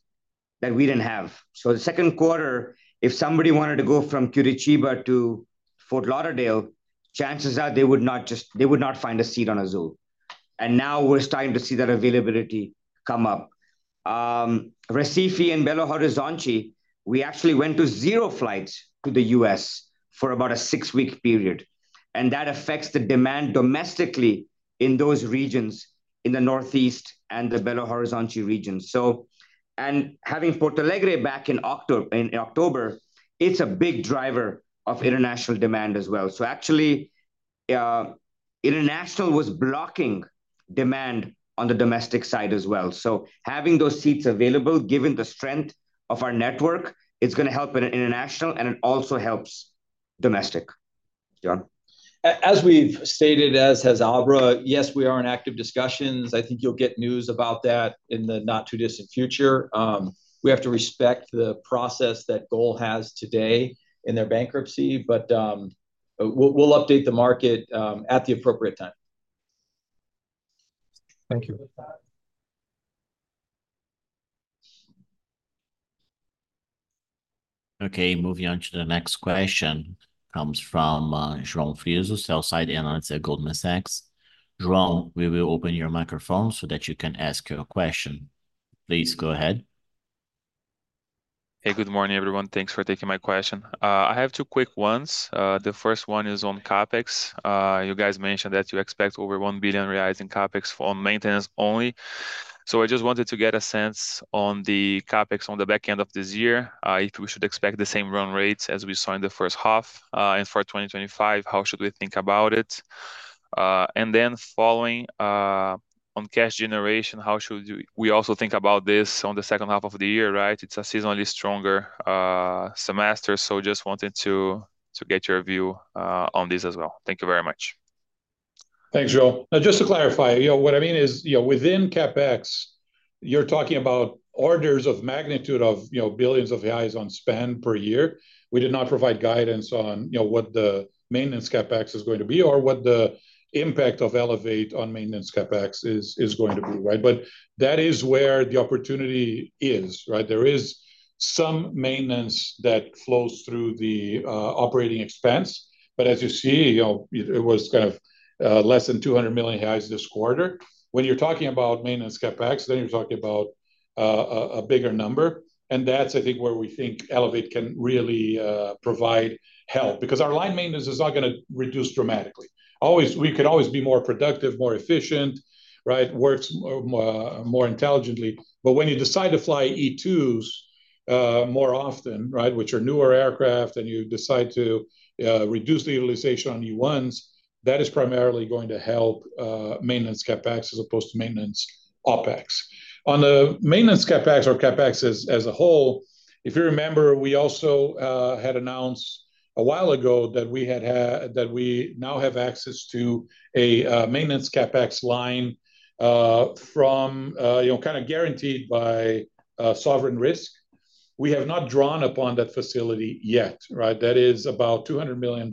that we didn't have. So the second quarter, if somebody wanted to go from Curitiba to Fort Lauderdale, chances are they would not find a seat on Azul, and now we're starting to see that availability come up. Recife and Belo Horizonte, we actually went to zero flights to the U.S. for about a six-week period, and that affects the demand domestically in those regions, in the Northeast and the Belo Horizonte region. So, and having Porto Alegre back in October, it's a big driver of international demand as well. So actually, international was blocking demand on the domestic side as well. So having those seats available, given the strength of our network, it's gonna help in international, and it also helps domestic.... John? As we've stated, as has Abra, yes, we are in active discussions. I think you'll get news about that in the not-too-distant future. We have to respect the process that GOL has today in their bankruptcy, but, we'll, we'll update the market, at the appropriate time. Thank you for that. Okay, moving on to the next question, comes from João Frizo, Sell-Side Analyst at Goldman Sachs. João, we will open your microphone so that you can ask your question. Please go ahead. Hey, good morning, everyone. Thanks for taking my question. I have two quick ones. The first one is on CapEx. You guys mentioned that you expect over 1 billion reais in CapEx for maintenance only, so I just wanted to get a sense on the CapEx on the back end of this year, if we should expect the same run rates as we saw in the first half? And for 2025, how should we think about it? And then following on cash generation, how should we also think about this on the second half of the year, right? It's a seasonally stronger semester, so just wanted to get your view on this as well. Thank you very much. Thanks, João. Now, just to clarify, you know, what I mean is, you know, within CapEx, you're talking about orders of magnitude of, you know, billions of BRL on spend per year. We did not provide guidance on, you know, what the maintenance CapEx is going to be or what the impact of Elevate on maintenance CapEx is, is going to be, right? But that is where the opportunity is, right? There is some maintenance that flows through the operating expense, but as you see, you know, it, it was kind of less than 200 million BRL this quarter. When you're talking about maintenance CapEx, then you're talking about a bigger number, and that's, I think, where we think Elevate can really provide help. Because our line maintenance is not gonna reduce dramatically. Always we could always be more productive, more efficient, right, work more, more intelligently. But when you decide to fly E2s more often, right, which are newer aircraft, and you decide to reduce the utilization on E1s, that is primarily going to help maintenance CapEx as opposed to maintenance OpEx. On the maintenance CapEx or CapEx as a whole, if you remember, we also had announced a while ago that we now have access to a maintenance CapEx line from you know, kind of guaranteed by sovereign risk. We have not drawn upon that facility yet, right? That is about $200 million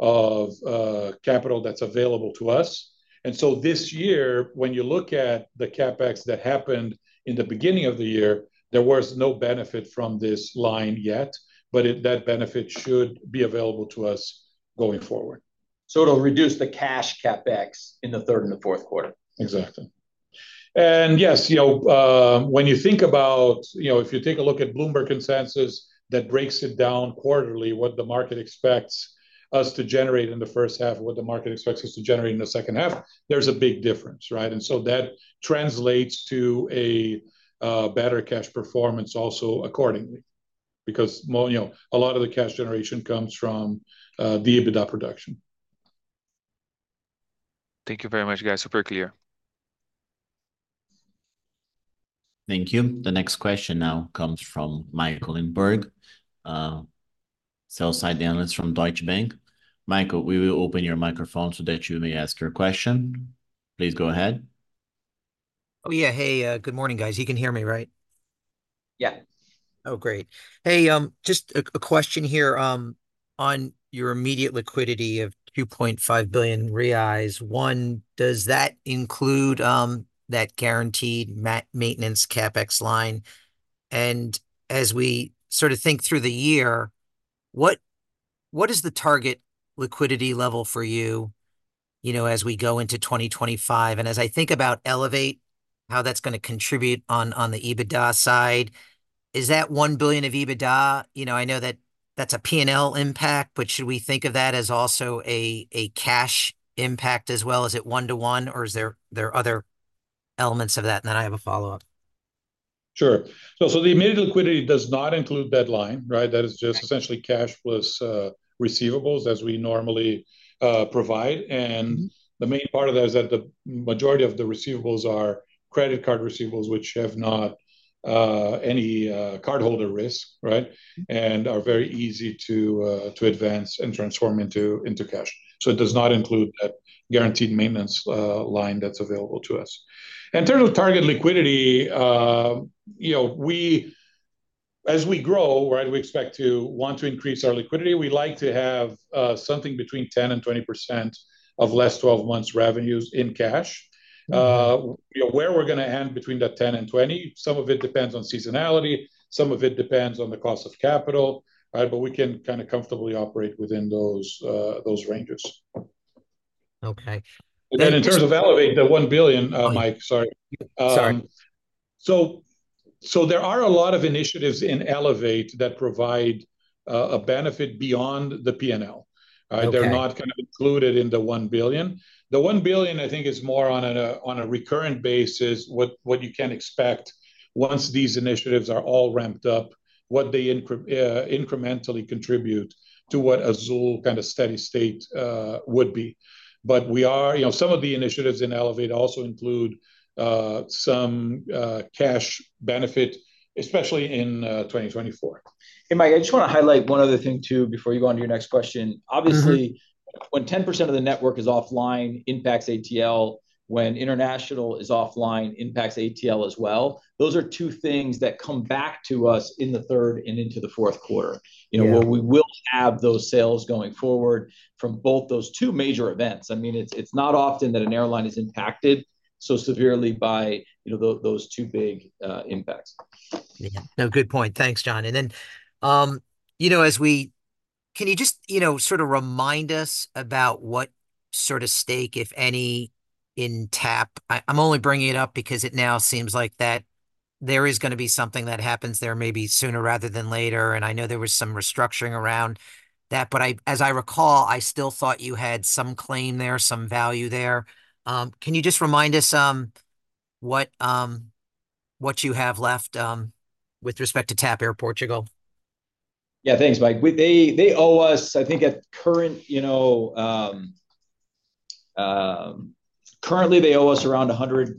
of capital that's available to us. This year, when you look at the CapEx that happened in the beginning of the year, there was no benefit from this line yet, but that benefit should be available to us going forward. It'll reduce the cash CapEx in the third and the fourth quarter? Exactly. And yes, you know, when you think about... You know, if you take a look at Bloomberg consensus, that breaks it down quarterly, what the market expects us to generate in the first half and what the market expects us to generate in the second half, there's a big difference, right? And so that translates to a better cash performance also accordingly, because, well, you know, a lot of the cash generation comes from the EBITDA production. Thank you very much, guys. Super clear. Thank you. The next question now comes from Michael Linenberg, Sell-Side Analyst from Deutsche Bank. Michael, we will open your microphone so that you may ask your question. Please go ahead. Oh, yeah. Hey, good morning, guys. You can hear me, right? Yeah. Oh, great. Hey, just a question here on your immediate liquidity of 2.5 billion reais. One, does that include that guaranteed maintenance CapEx line? And as we sort of think through the year, what is the target liquidity level for you, you know, as we go into 2025? And as I think about Elevate, how that's gonna contribute on the EBITDA side, is that 1 billion of EBITDA? You know, I know that that's a P&L impact, but should we think of that as also a cash impact as well? Is it one-to-one, or are there other elements of that? And then I have a follow-up. Sure. So, so the immediate liquidity does not include that line, right? Right. That is just essentially cash plus receivables, as we normally provide. The main part of that is that the majority of the receivables are credit card receivables, which have not any cardholder risk, right, and are very easy to advance and transform into cash. It does not include that guaranteed maintenance line that's available to us. In terms of target liquidity, you know, we as we grow, right, we expect to want to increase our liquidity. We like to have something between 10% and 20% of last 12 months revenues in cash. You know, where we're gonna end between that 10 and 20, some of it depends on seasonality, some of it depends on the cost of capital, right? But we can kind of comfortably operate within those ranges. Okay. Then- Then in terms of Elevate, the $1 billion, Mike, sorry- Sorry. So, there are a lot of initiatives in Elevate that provide a benefit beyond the P&L, right? Okay. They're not gonna include it in the $1 billion. The $1 billion, I think, is more on a recurrent basis, what you can expect once these initiatives are all ramped up, what they incrementally contribute to what Azul kind of steady state would be. But we are, you know, some of the initiatives in Elevate also include some cash benefit, especially in 2024. Hey, Mike, I just wanna highlight one other thing, too, before you go on to your next question. Mm-hmm. Obviously, when 10% of the network is offline, impacts ATL, when international is offline, impacts ATL as well. Those are two things that come back to us in the third and into the fourth quarter. Yeah. You know, where we will have those sales going forward from both those two major events. I mean, it's not often that an airline is impacted so severely by, you know, those two big impacts. Yeah. No, good point. Thanks, John. And then, you know, can you just, you know, sort of remind us about what sort of stake, if any, in TAP? I, I'm only bringing it up because it now seems like that there is gonna be something that happens there, maybe sooner rather than later, and I know there was some restructuring around that. But I, as I recall, I still thought you had some claim there, some value there. Can you just remind us, what, what you have left, with respect to TAP Air Portugal? Yeah, thanks, Mike. They owe us, I think currently, you know, around 150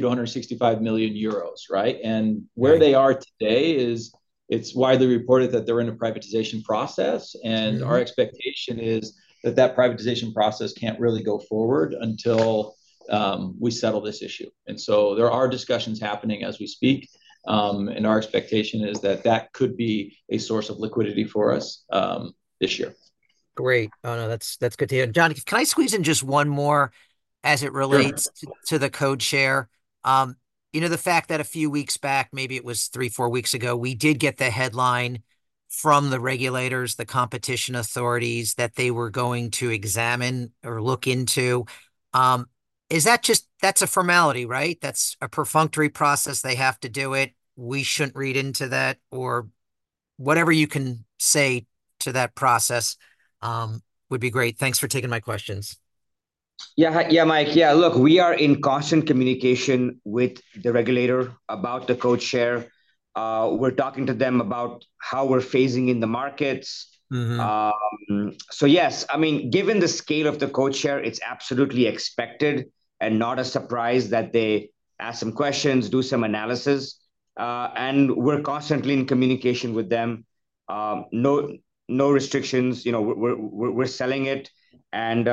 million-165 million euros, right? Right. Where they are today is, it's widely reported that they're in a privatization process. Mm-hmm. - and our expectation is that that privatization process can't really go forward until we settle this issue. And so there are discussions happening as we speak, and our expectation is that that could be a source of liquidity for us, this year. Great. Oh, no, that's, that's good to hear. John, can I squeeze in just one more as it relates- Sure. - to the codeshare? You know, the fact that a few weeks back, maybe it was three, four weeks ago, we did get the headline from the regulators, the competition authorities, that they were going to examine or look into, is that just... that's a formality, right? That's a perfunctory process, they have to do it, we shouldn't read into that, or whatever you can say to that process, would be great. Thanks for taking my questions. Yeah. Yeah, Mike, yeah, look, we are in constant communication with the regulator about the codeshare. We're talking to them about how we're phasing in the markets. Mm-hmm. So yes, I mean, given the scale of the codeshare, it's absolutely expected, and not a surprise, that they ask some questions, do some analysis. And we're constantly in communication with them. No, no restrictions, you know, we're selling it, and,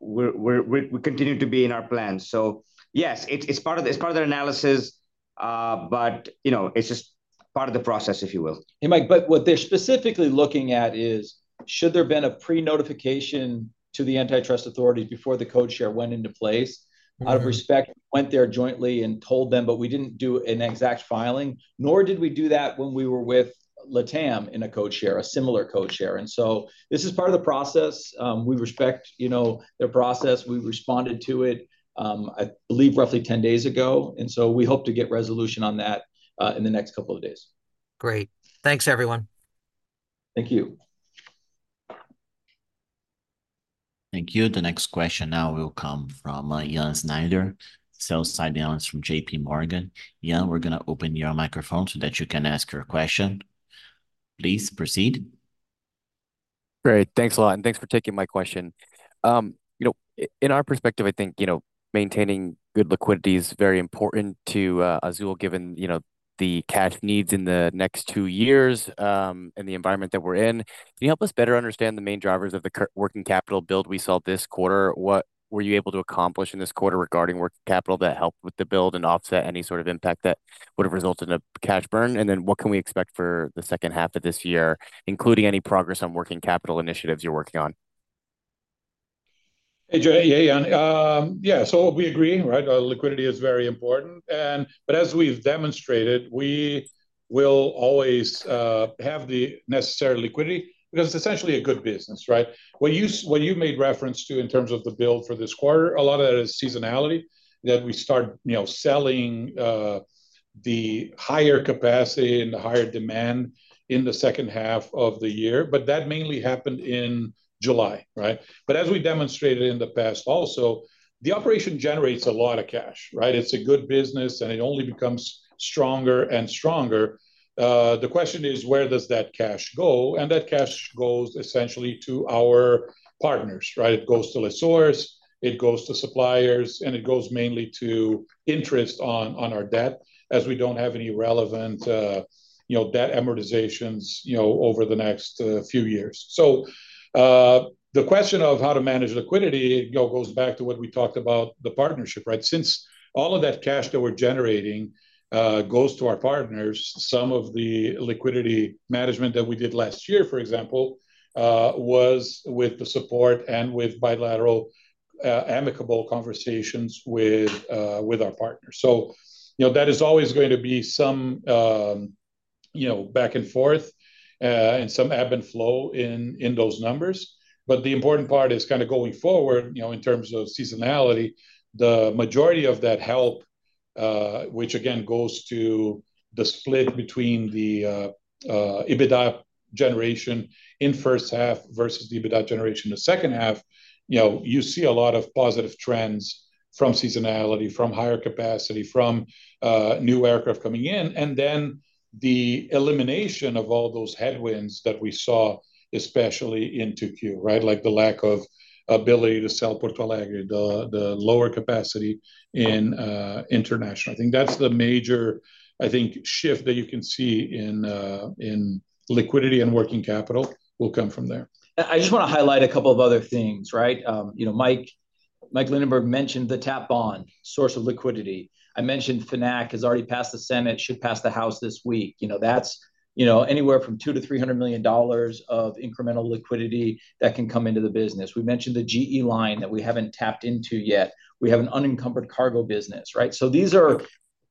we're... we continue to be in our plans. So yes, it's part of their analysis, but, you know, it's just part of the process, if you will. Hey, Mike, what they're specifically looking at is, should there have been a pre-notification to the antitrust authority before the codeshare went into place? Mm-hmm. Out of respect, went there jointly and told them, but we didn't do an exact filing, nor did we do that when we were with LATAM in a codeshare, a similar codeshare. And so this is part of the process. We respect, you know, their process. We responded to it, I believe roughly ten days ago, and so we hope to get resolution on that, in the next couple of days. Great. Thanks, everyone. Thank you. Thank you. The next question now will come from Jan Schneider, Sell-Side Analyst from JP Morgan. Jan, we're gonna open your microphone so that you can ask your question. Please proceed. Great. Thanks a lot, and thanks for taking my question. In our perspective, I think, you know, maintaining good liquidity is very important to Azul, given, you know, the cash needs in the next two years, and the environment that we're in. Can you help us better understand the main drivers of the working capital build we saw this quarter? What were you able to accomplish in this quarter regarding working capital that helped with the build and offset any sort of impact that would have resulted in a cash burn? And then what can we expect for the second half of this year, including any progress on working capital initiatives you're working on? Hey, Jan. Yeah, so we agree, right? Liquidity is very important, and, but as we've demonstrated, we will always have the necessary liquidity, because it's essentially a good business, right? What you made reference to in terms of the build for this quarter, a lot of that is seasonality, that we start, you know, selling the higher capacity and the higher demand in the second half of the year, but that mainly happened in July, right? But as we demonstrated in the past also, the operation generates a lot of cash, right? It's a good business, and it only becomes stronger and stronger. The question is, where does that cash go? And that cash goes essentially to our partners, right? It goes to lessors, it goes to suppliers, and it goes mainly to interest on our debt, as we don't have any relevant, you know, debt amortizations, you know, over the next few years. So, the question of how to manage liquidity, you know, goes back to what we talked about, the partnership, right? Since all of that cash that we're generating goes to our partners, some of the liquidity management that we did last year, for example, was with the support and with bilateral amicable conversations with our partners. So, you know, that is always going to be some, you know, back and forth and some ebb and flow in those numbers. But the important part is kind of going forward, you know, in terms of seasonality, the majority of that help-... which again goes to the split between the, EBITDA generation in first half versus the EBITDA generation in the second half. You know, you see a lot of positive trends from seasonality, from higher capacity, from new aircraft coming in, and then the elimination of all those headwinds that we saw, especially in 2Q, right? Like the lack of ability to sell Porto Alegre, the lower capacity in international. I think that's the major, I think, shift that you can see in liquidity and working capital will come from there. I, I just wanna highlight a couple of other things, right? You know, Mike, Michael Linenberg mentioned the TAP bond source of liquidity. I mentioned FNAC has already passed the Senate, should pass the House this week. You know, that's, you know, anywhere from $200 million-$300 million of incremental liquidity that can come into the business. We mentioned the GE line that we haven't tapped into yet. We have an unencumbered cargo business, right? So these are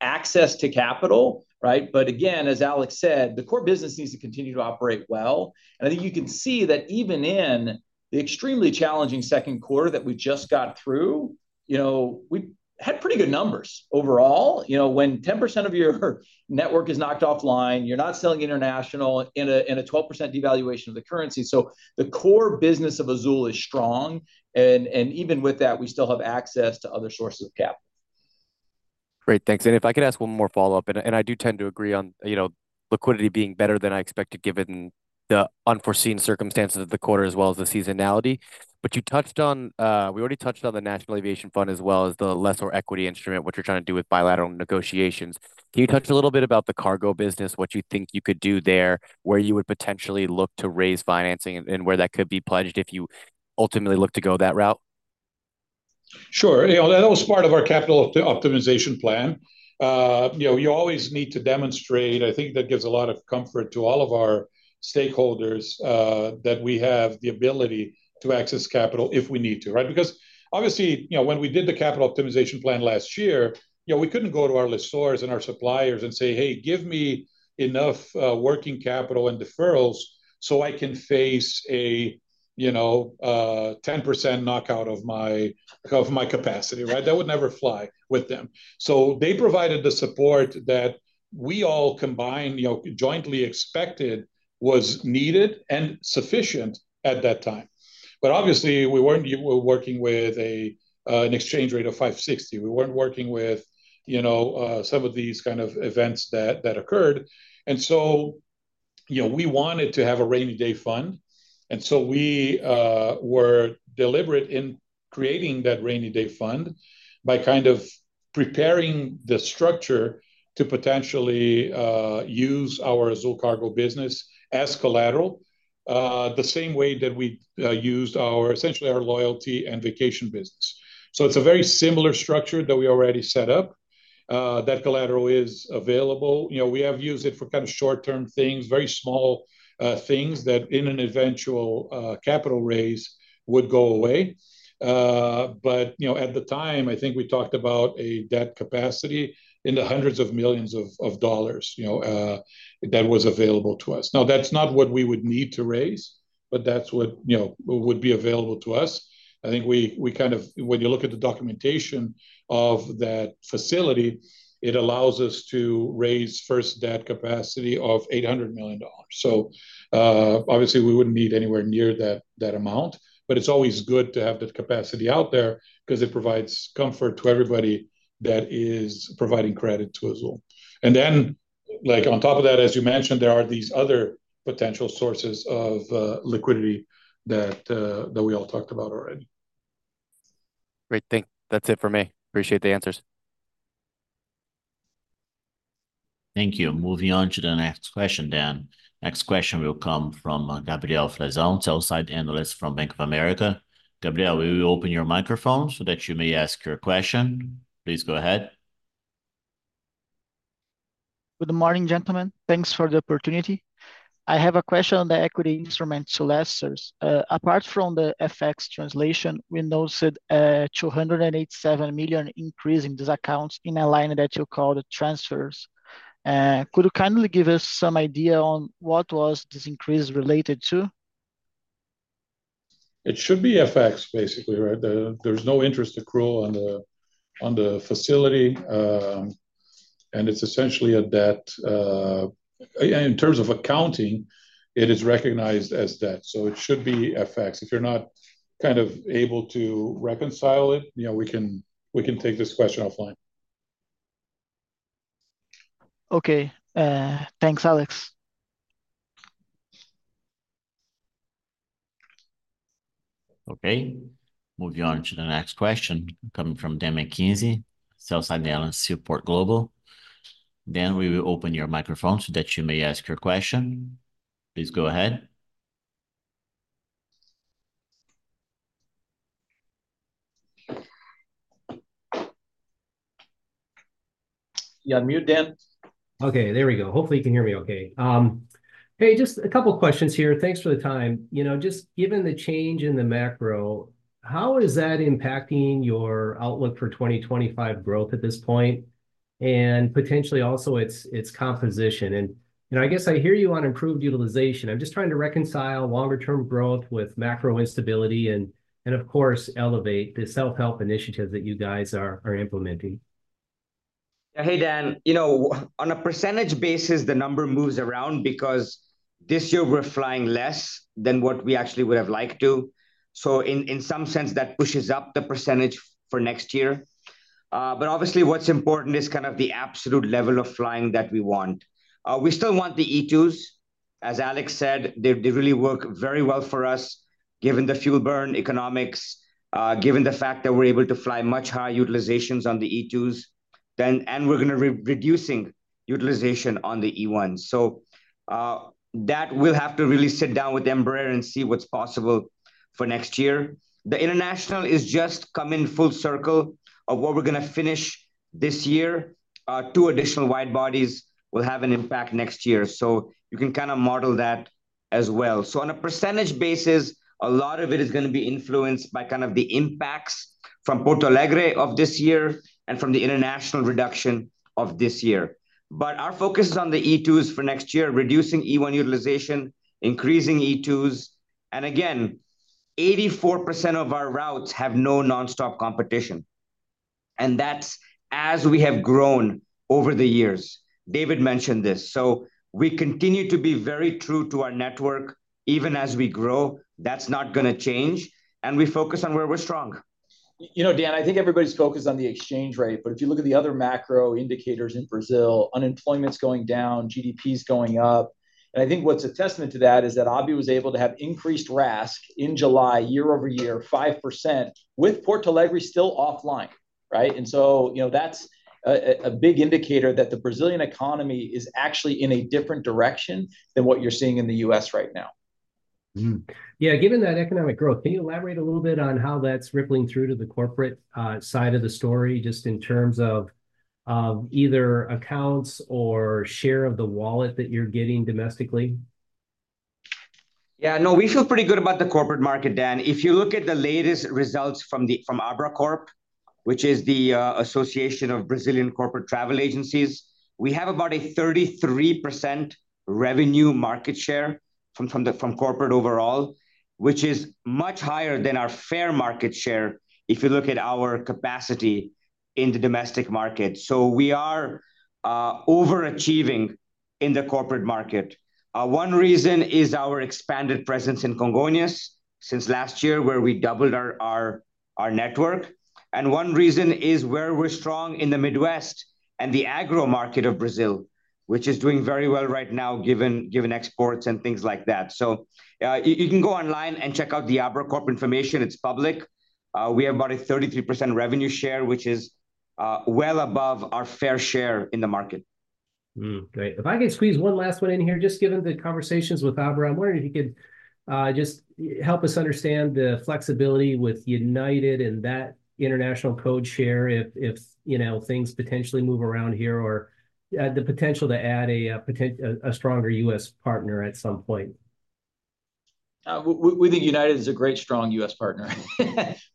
access to capital, right? But again, as Alex said, the core business needs to continue to operate well. And I think you can see that even in the extremely challenging second quarter that we just got through, you know, we had pretty good numbers overall. You know, when 10% of your network is knocked offline, you're not selling international in a 12% devaluation of the currency. So the core business of Azul is strong, and even with that, we still have access to other sources of capital. Great, thanks. And if I could ask one more follow-up, and I do tend to agree on, you know, liquidity being better than I expected, given the unforeseen circumstances of the quarter, as well as the seasonality. But you touched on, we already touched on the National Aviation Fund, as well as the lessor equity instrument, what you're trying to do with bilateral negotiations. Can you touch a little bit about the cargo business, what you think you could do there, where you would potentially look to raise financing, and where that could be pledged if you ultimately look to go that route? Sure. You know, that was part of our capital optimization plan. You know, you always need to demonstrate, I think that gives a lot of comfort to all of our stakeholders, that we have the ability to access capital if we need to, right? Because obviously, you know, when we did the capital optimization plan last year, you know, we couldn't go to our lessors and our suppliers and say, "Hey, give me enough working capital and deferrals so I can face a 10% knockout of my capacity," right? That would never fly with them. So they provided the support that we all combined, you know, jointly expected was needed and sufficient at that time. But obviously, we weren't working with an exchange rate of 5.60. We weren't working with, you know, some of these kind of events that occurred. And so, you know, we wanted to have a rainy-day fund, and so we were deliberate in creating that rainy-day fund by kind of preparing the structure to potentially use our Azul Cargo business as collateral, the same way that we used our, essentially our loyalty and vacation business. So it's a very similar structure that we already set up. That collateral is available. You know, we have used it for kind of short-term things, very small things that in an eventual capital raise would go away. But, you know, at the time, I think we talked about a debt capacity in the hundreds of millions of dollars, you know, that was available to us. Now, that's not what we would need to raise, but that's what, you know, would be available to us. I think we kind of, when you look at the documentation of that facility, it allows us to raise first debt capacity of $800 million. So, obviously, we wouldn't need anywhere near that amount, but it's always good to have that capacity out there, 'cause it provides comfort to everybody that is providing credit to Azul. And then, like, on top of that, as you mentioned, there are these other potential sources of liquidity that we all talked about already. Great, thank you. That's it for me. Appreciate the answers. Thank you. Moving on to the next question then. Next question will come from Gabriel Fleury, Sell-Side Analyst from Bank of America. Gabriel, we will open your microphone so that you may ask your question. Please go ahead. Good morning, gentlemen. Thanks for the opportunity. I have a question on the equity instrument lessors. Apart from the FX translation, we noticed a 287 million increase in these accounts in a line that you call the transfers. Could you kindly give us some idea on what was this increase related to? It should be FX, basically, right? There's no interest accrual on the facility. And it's essentially a debt. In terms of accounting, it is recognized as debt, so it should be FX. If you're not kind of able to reconcile it, you know, we can take this question offline. Okay. Thanks, Alex. Okay, moving on to the next question, coming from Dan McKenzie, Sell-Side Analyst, Seaport Global. Dan, we will open your microphone so that you may ask your question. Please go ahead. You're on mute, Dan. Okay, there we go. Hopefully you can hear me okay. Hey, just a couple questions here. Thanks for the time. You know, just given the change in the macro, how is that impacting your outlook for 2025 growth at this point, and potentially also its composition? You know, I guess I hear you on improved utilization. I'm just trying to reconcile longer-term growth with macro instability and, of course, Elevate the self-help initiatives that you guys are implementing. Hey, Dan, you know, on a percentage basis, the number moves around because this year we're flying less than what we actually would have liked to. So in some sense, that pushes up the percentage for next year. But obviously, what's important is kind of the absolute level of flying that we want. We still want the E2s. As Alex said, they really work very well for us, given the fuel burn economics, given the fact that we're able to fly much higher utilizations on the E2s than—and we're going to reduce utilization on the E1. So that we'll have to really sit down with Embraer and see what's possible for next year. The international is just coming full circle of what we're gonna finish this year. Two additional wide bodies will have an impact next year, so you can kind of model that as well. So on a percentage basis, a lot of it is gonna be influenced by kind of the impacts from Porto Alegre of this year and from the international reduction of this year. But our focus is on the E2s for next year, reducing E1 utilization, increasing E2s, and again, 84% of our routes have no nonstop competition, and that's as we have grown over the years. David mentioned this, so we continue to be very true to our network. Even as we grow, that's not gonna change, and we focus on where we're strong. You know, Dan, I think everybody's focused on the exchange rate, but if you look at the other macro indicators in Brazil, unemployment's going down, GDP's going up, and I think what's a testament to that is that Azul was able to have increased RASK in July, year-over-year, 5%, with Porto Alegre still offline, right? And so, you know, that's a big indicator that the Brazilian economy is actually in a different direction than what you're seeing in the U.S. right now. Mm-hmm. Yeah, given that economic growth, can you elaborate a little bit on how that's rippling through to the corporate side of the story, just in terms of either accounts or share of the wallet that you're getting domestically? Yeah, no, we feel pretty good about the corporate market, Dan. If you look at the latest results from Abracorp, which is the association of Brazilian corporate travel agencies, we have about a 33% revenue market share from corporate overall, which is much higher than our fair market share if you look at our capacity in the domestic market. So we are overachieving in the corporate market. One reason is our expanded presence in Congonhas since last year, where we doubled our network, and one reason is where we're strong in the Midwest and the agro market of Brazil, which is doing very well right now, given exports and things like that. So you can go online and check out the Abracorp information. It's public. We have about a 33% revenue share, which is well above our fair share in the market. Hmm. Great. If I could squeeze one last one in here, just given the conversations with Abra, I wonder if you could just help us understand the flexibility with United and that international code share, if you know, things potentially move around here or the potential to add a stronger US partner at some point. We think United is a great, strong U.S. partner.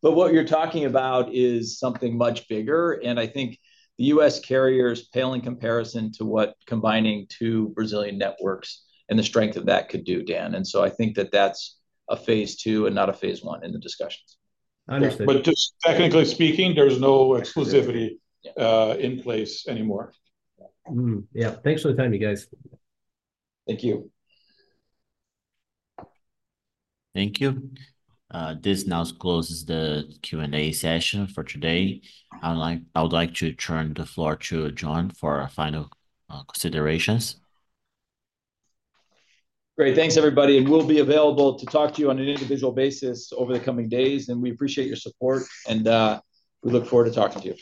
But what you're talking about is something much bigger, and I think the U.S. carriers pale in comparison to what combining two Brazilian networks and the strength of that could do, Dan, and so I think that that's a phase two and not a phase one in the discussions. Understood. But just technically speaking, there's no exclusivity in place anymore. Mm-hmm. Yeah. Thanks for the time, you guys. Thank you. Thank you. This now closes the Q&A session for today. I'd like, I would like to turn the floor to John for our final considerations. Great. Thanks, everybody, and we'll be available to talk to you on an individual basis over the coming days, and we appreciate your support, and we look forward to talking to you.